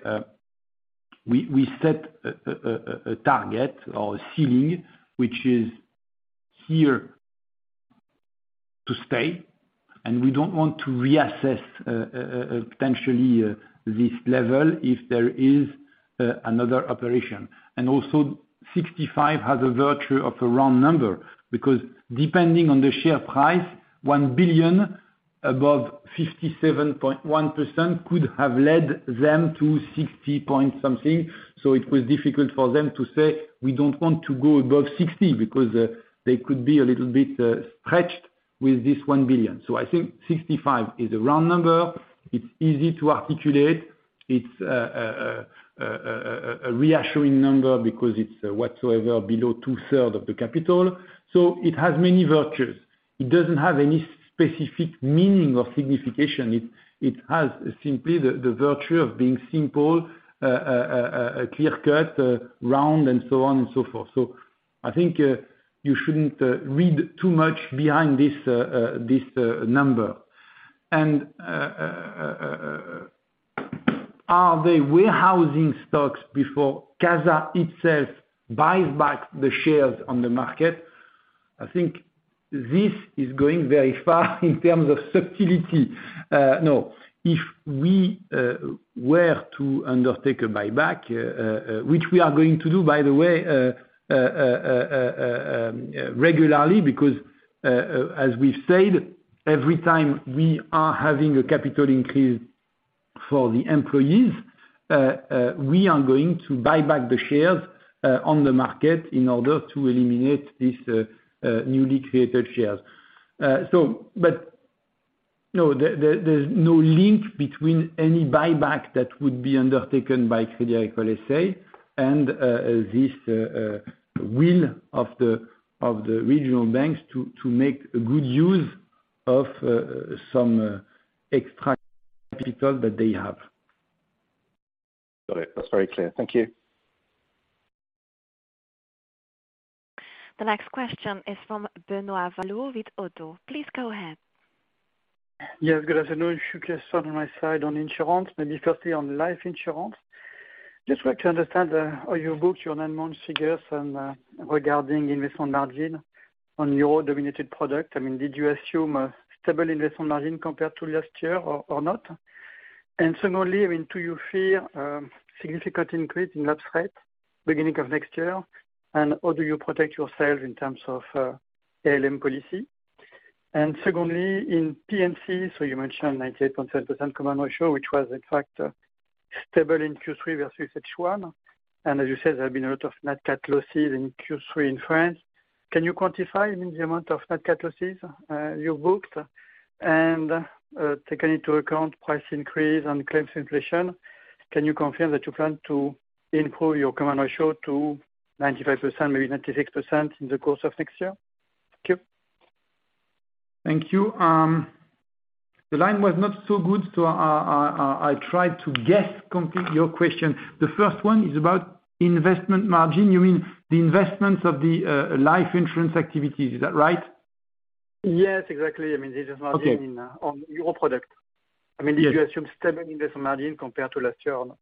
we set a target or a ceiling which is here to stay, and we don't want to reassess potentially this level if there is another operation. Also 65 has a virtue of a round number because depending on the share price, 1 billion above 57.1% could have led them to 60 point something. It was difficult for them to say, "We don't want to go above 60," because they could be a little bit stretched with this 1 billion. I think 65 is a round number. It's easy to articulate. It's a reassuring number because it's well below 2/3 of the capital. It has many virtues. It doesn't have any specific meaning or signification. It has simply the virtue of being simple, clear-cut, round and so on and so forth. I think you shouldn't read too much into this number. Are they warehousing stocks before CASA itself buys back the shares on the market? I think this is going very far in terms of subtlety. No. If we were to undertake a buyback, which we are going to do, by the way, regularly because, as we've said, every time we are having a capital increase for the employees, we are going to buy back the shares on the market in order to eliminate these newly created shares. No, there's no link between any buyback that would be undertaken by Crédit Agricole S.A. and this will of the regional banks to make good use of some extra capital that they have. Got it. That's very clear. Thank you. The next question is from Benoît Valleaux with ODDO. Please go ahead. Yes, good afternoon. A few questions on my side on insurance, maybe firstly on life insurance. Just want to understand how you booked your nine-month figures regarding investment margin on euro-denominated product. I mean, did you assume a stable investment margin compared to last year or not? Secondly, I mean, do you fear significant increase in lapse rate beginning of next year? And how do you protect yourself in terms of ALM policy? Secondly, in P&C, you mentioned 98.7% combined ratio, which was in fact stable in Q3 versus H1. And as you said, there have been a lot of net cat losses in Q3 in France. Can you quantify, I mean, the amount of net cat losses you booked? Taking into account price increase and claims inflation, can you confirm that you plan to improve your combined ratio to 95%, maybe 96% in the course of next year? Thank you. Thank you. The line was not so good, so I tried to guess complete your question. The first one is about investment margin. You mean the investments of the life insurance activities, is that right? Yes, exactly. I mean, this is margin on euro product. I mean, did you assume stable investment margin compared to last year or no?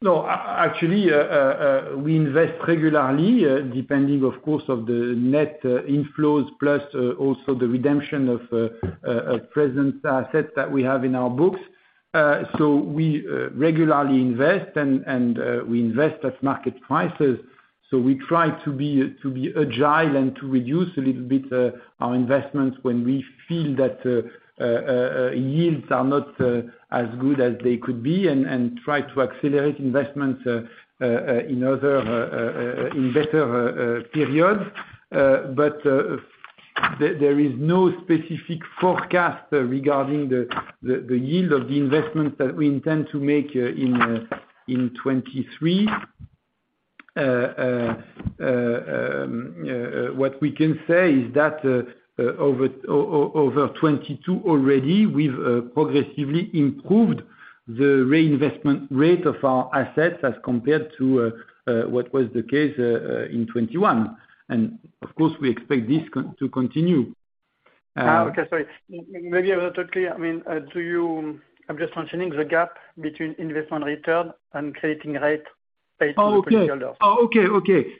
No, actually, we invest regularly, depending, of course, on the net inflows, plus also the redemption of present assets that we have in our books. We regularly invest and we invest at market prices. We try to be agile and to reduce a little bit our investments when we feel that yields are not as good as they could be and try to accelerate investments in better periods. There is no specific forecast regarding the yield of the investment that we intend to make in 2023. What we can say is that, over 2022 already, we've progressively improved the reinvestment rate of our assets as compared to what was the case in 2021. Of course, we expect this to continue. Oh, okay. Sorry. Maybe I was not totally, I mean, I'm just mentioning the gap between investment return and crediting rate paid to the policy holder.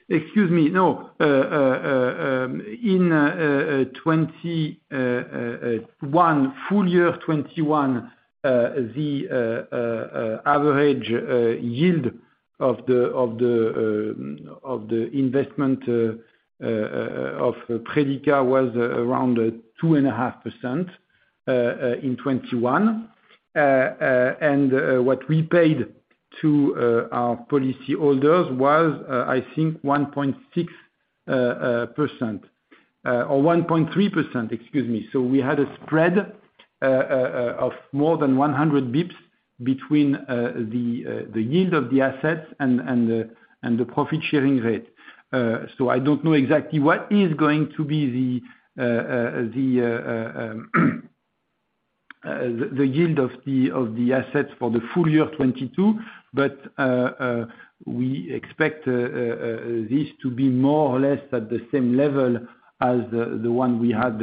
In 2021, full-year 2021 the average yield of the investment of Predica was around 2.5% in 2021. What we paid to our policy holders was I think 1.6% or 1.3%, excuse me. We had a spread of more than 100 basis points between the yield of the assets and the profit sharing rate. I don't know exactly what is going to be the yield of the assets for the full year 2022, but we expect this to be more or less at the same level as the one we had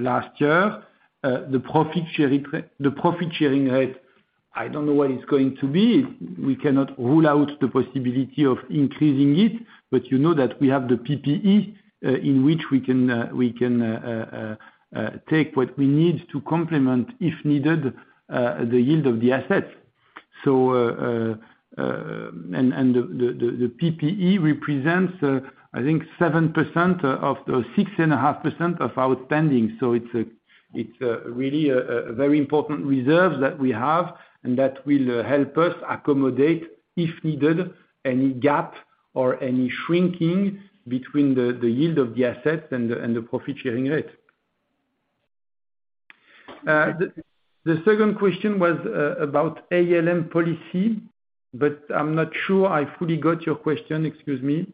last year. The profit sharing rate, I don't know what it's going to be. We cannot rule out the possibility of increasing it, but you know that we have the PPE in which we can take what we need to complement, if needed, the yield of the assets. The PPE represents, I think, 7% of those 6.5% of outstanding. It's really a very important reserve that we have and that will help us accommodate if needed any gap or any shrinking between the yield of the assets and the profit sharing rate. The second question was about ALM policy, but I'm not sure I fully got your question, excuse me.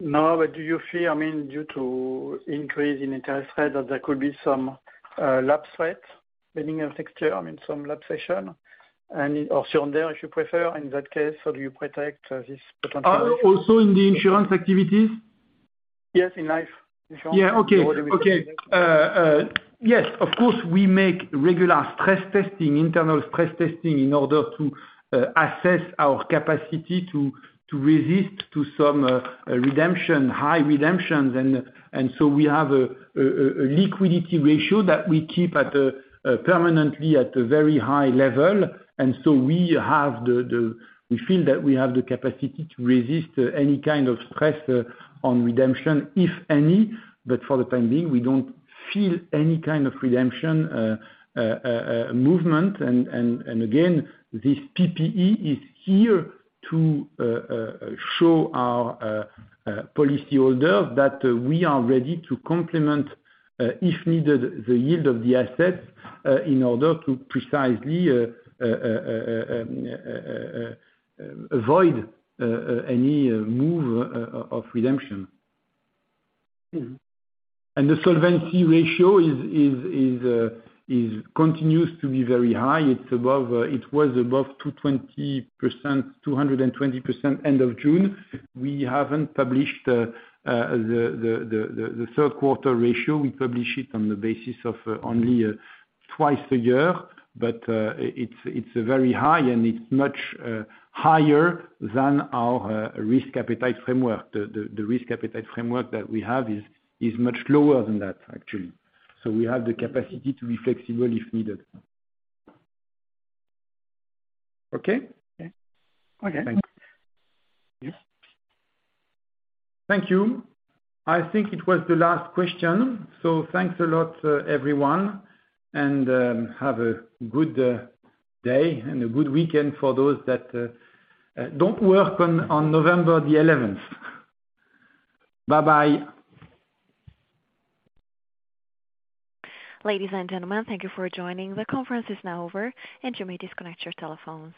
No, do you feel, I mean, due to increase in interest rate, that there could be some lapse rate beginning of next year, I mean, some lapse ratio? Also on there, if you prefer, in that case, how do you protect this potential? Also in the insurance activities? Yes, in life insurance. Yes, of course, we make regular stress testing, internal stress testing in order to assess our capacity to resist to some redemption, high redemptions. We have a liquidity ratio that we keep at a permanently at a very high level. We feel that we have the capacity to resist any kind of stress on redemption, if any. For the time being, we don't feel any kind of redemption movement. Again, this PPE is here to show our policy holder that we are ready to complement, if needed, the yield of the assets, in order to precisely avoid any move of redemption. Mm-hmm. The solvency ratio continues to be very high. It was above 220% end of June. We haven't published the third quarter ratio. We publish it on the basis of only twice a year. It's very high and it's much higher than our risk appetite framework. The risk appetite framework that we have is much lower than that actually. We have the capacity to be flexible if needed. Okay? Okay. Thanks. Yes. Thank you. I think it was the last question. Thanks a lot, everyone. Have a good day and a good weekend for those that don't work on 11 November. Bye-bye. Ladies and gentlemen, thank you for joining. The conference is now over, and you may disconnect your telephones.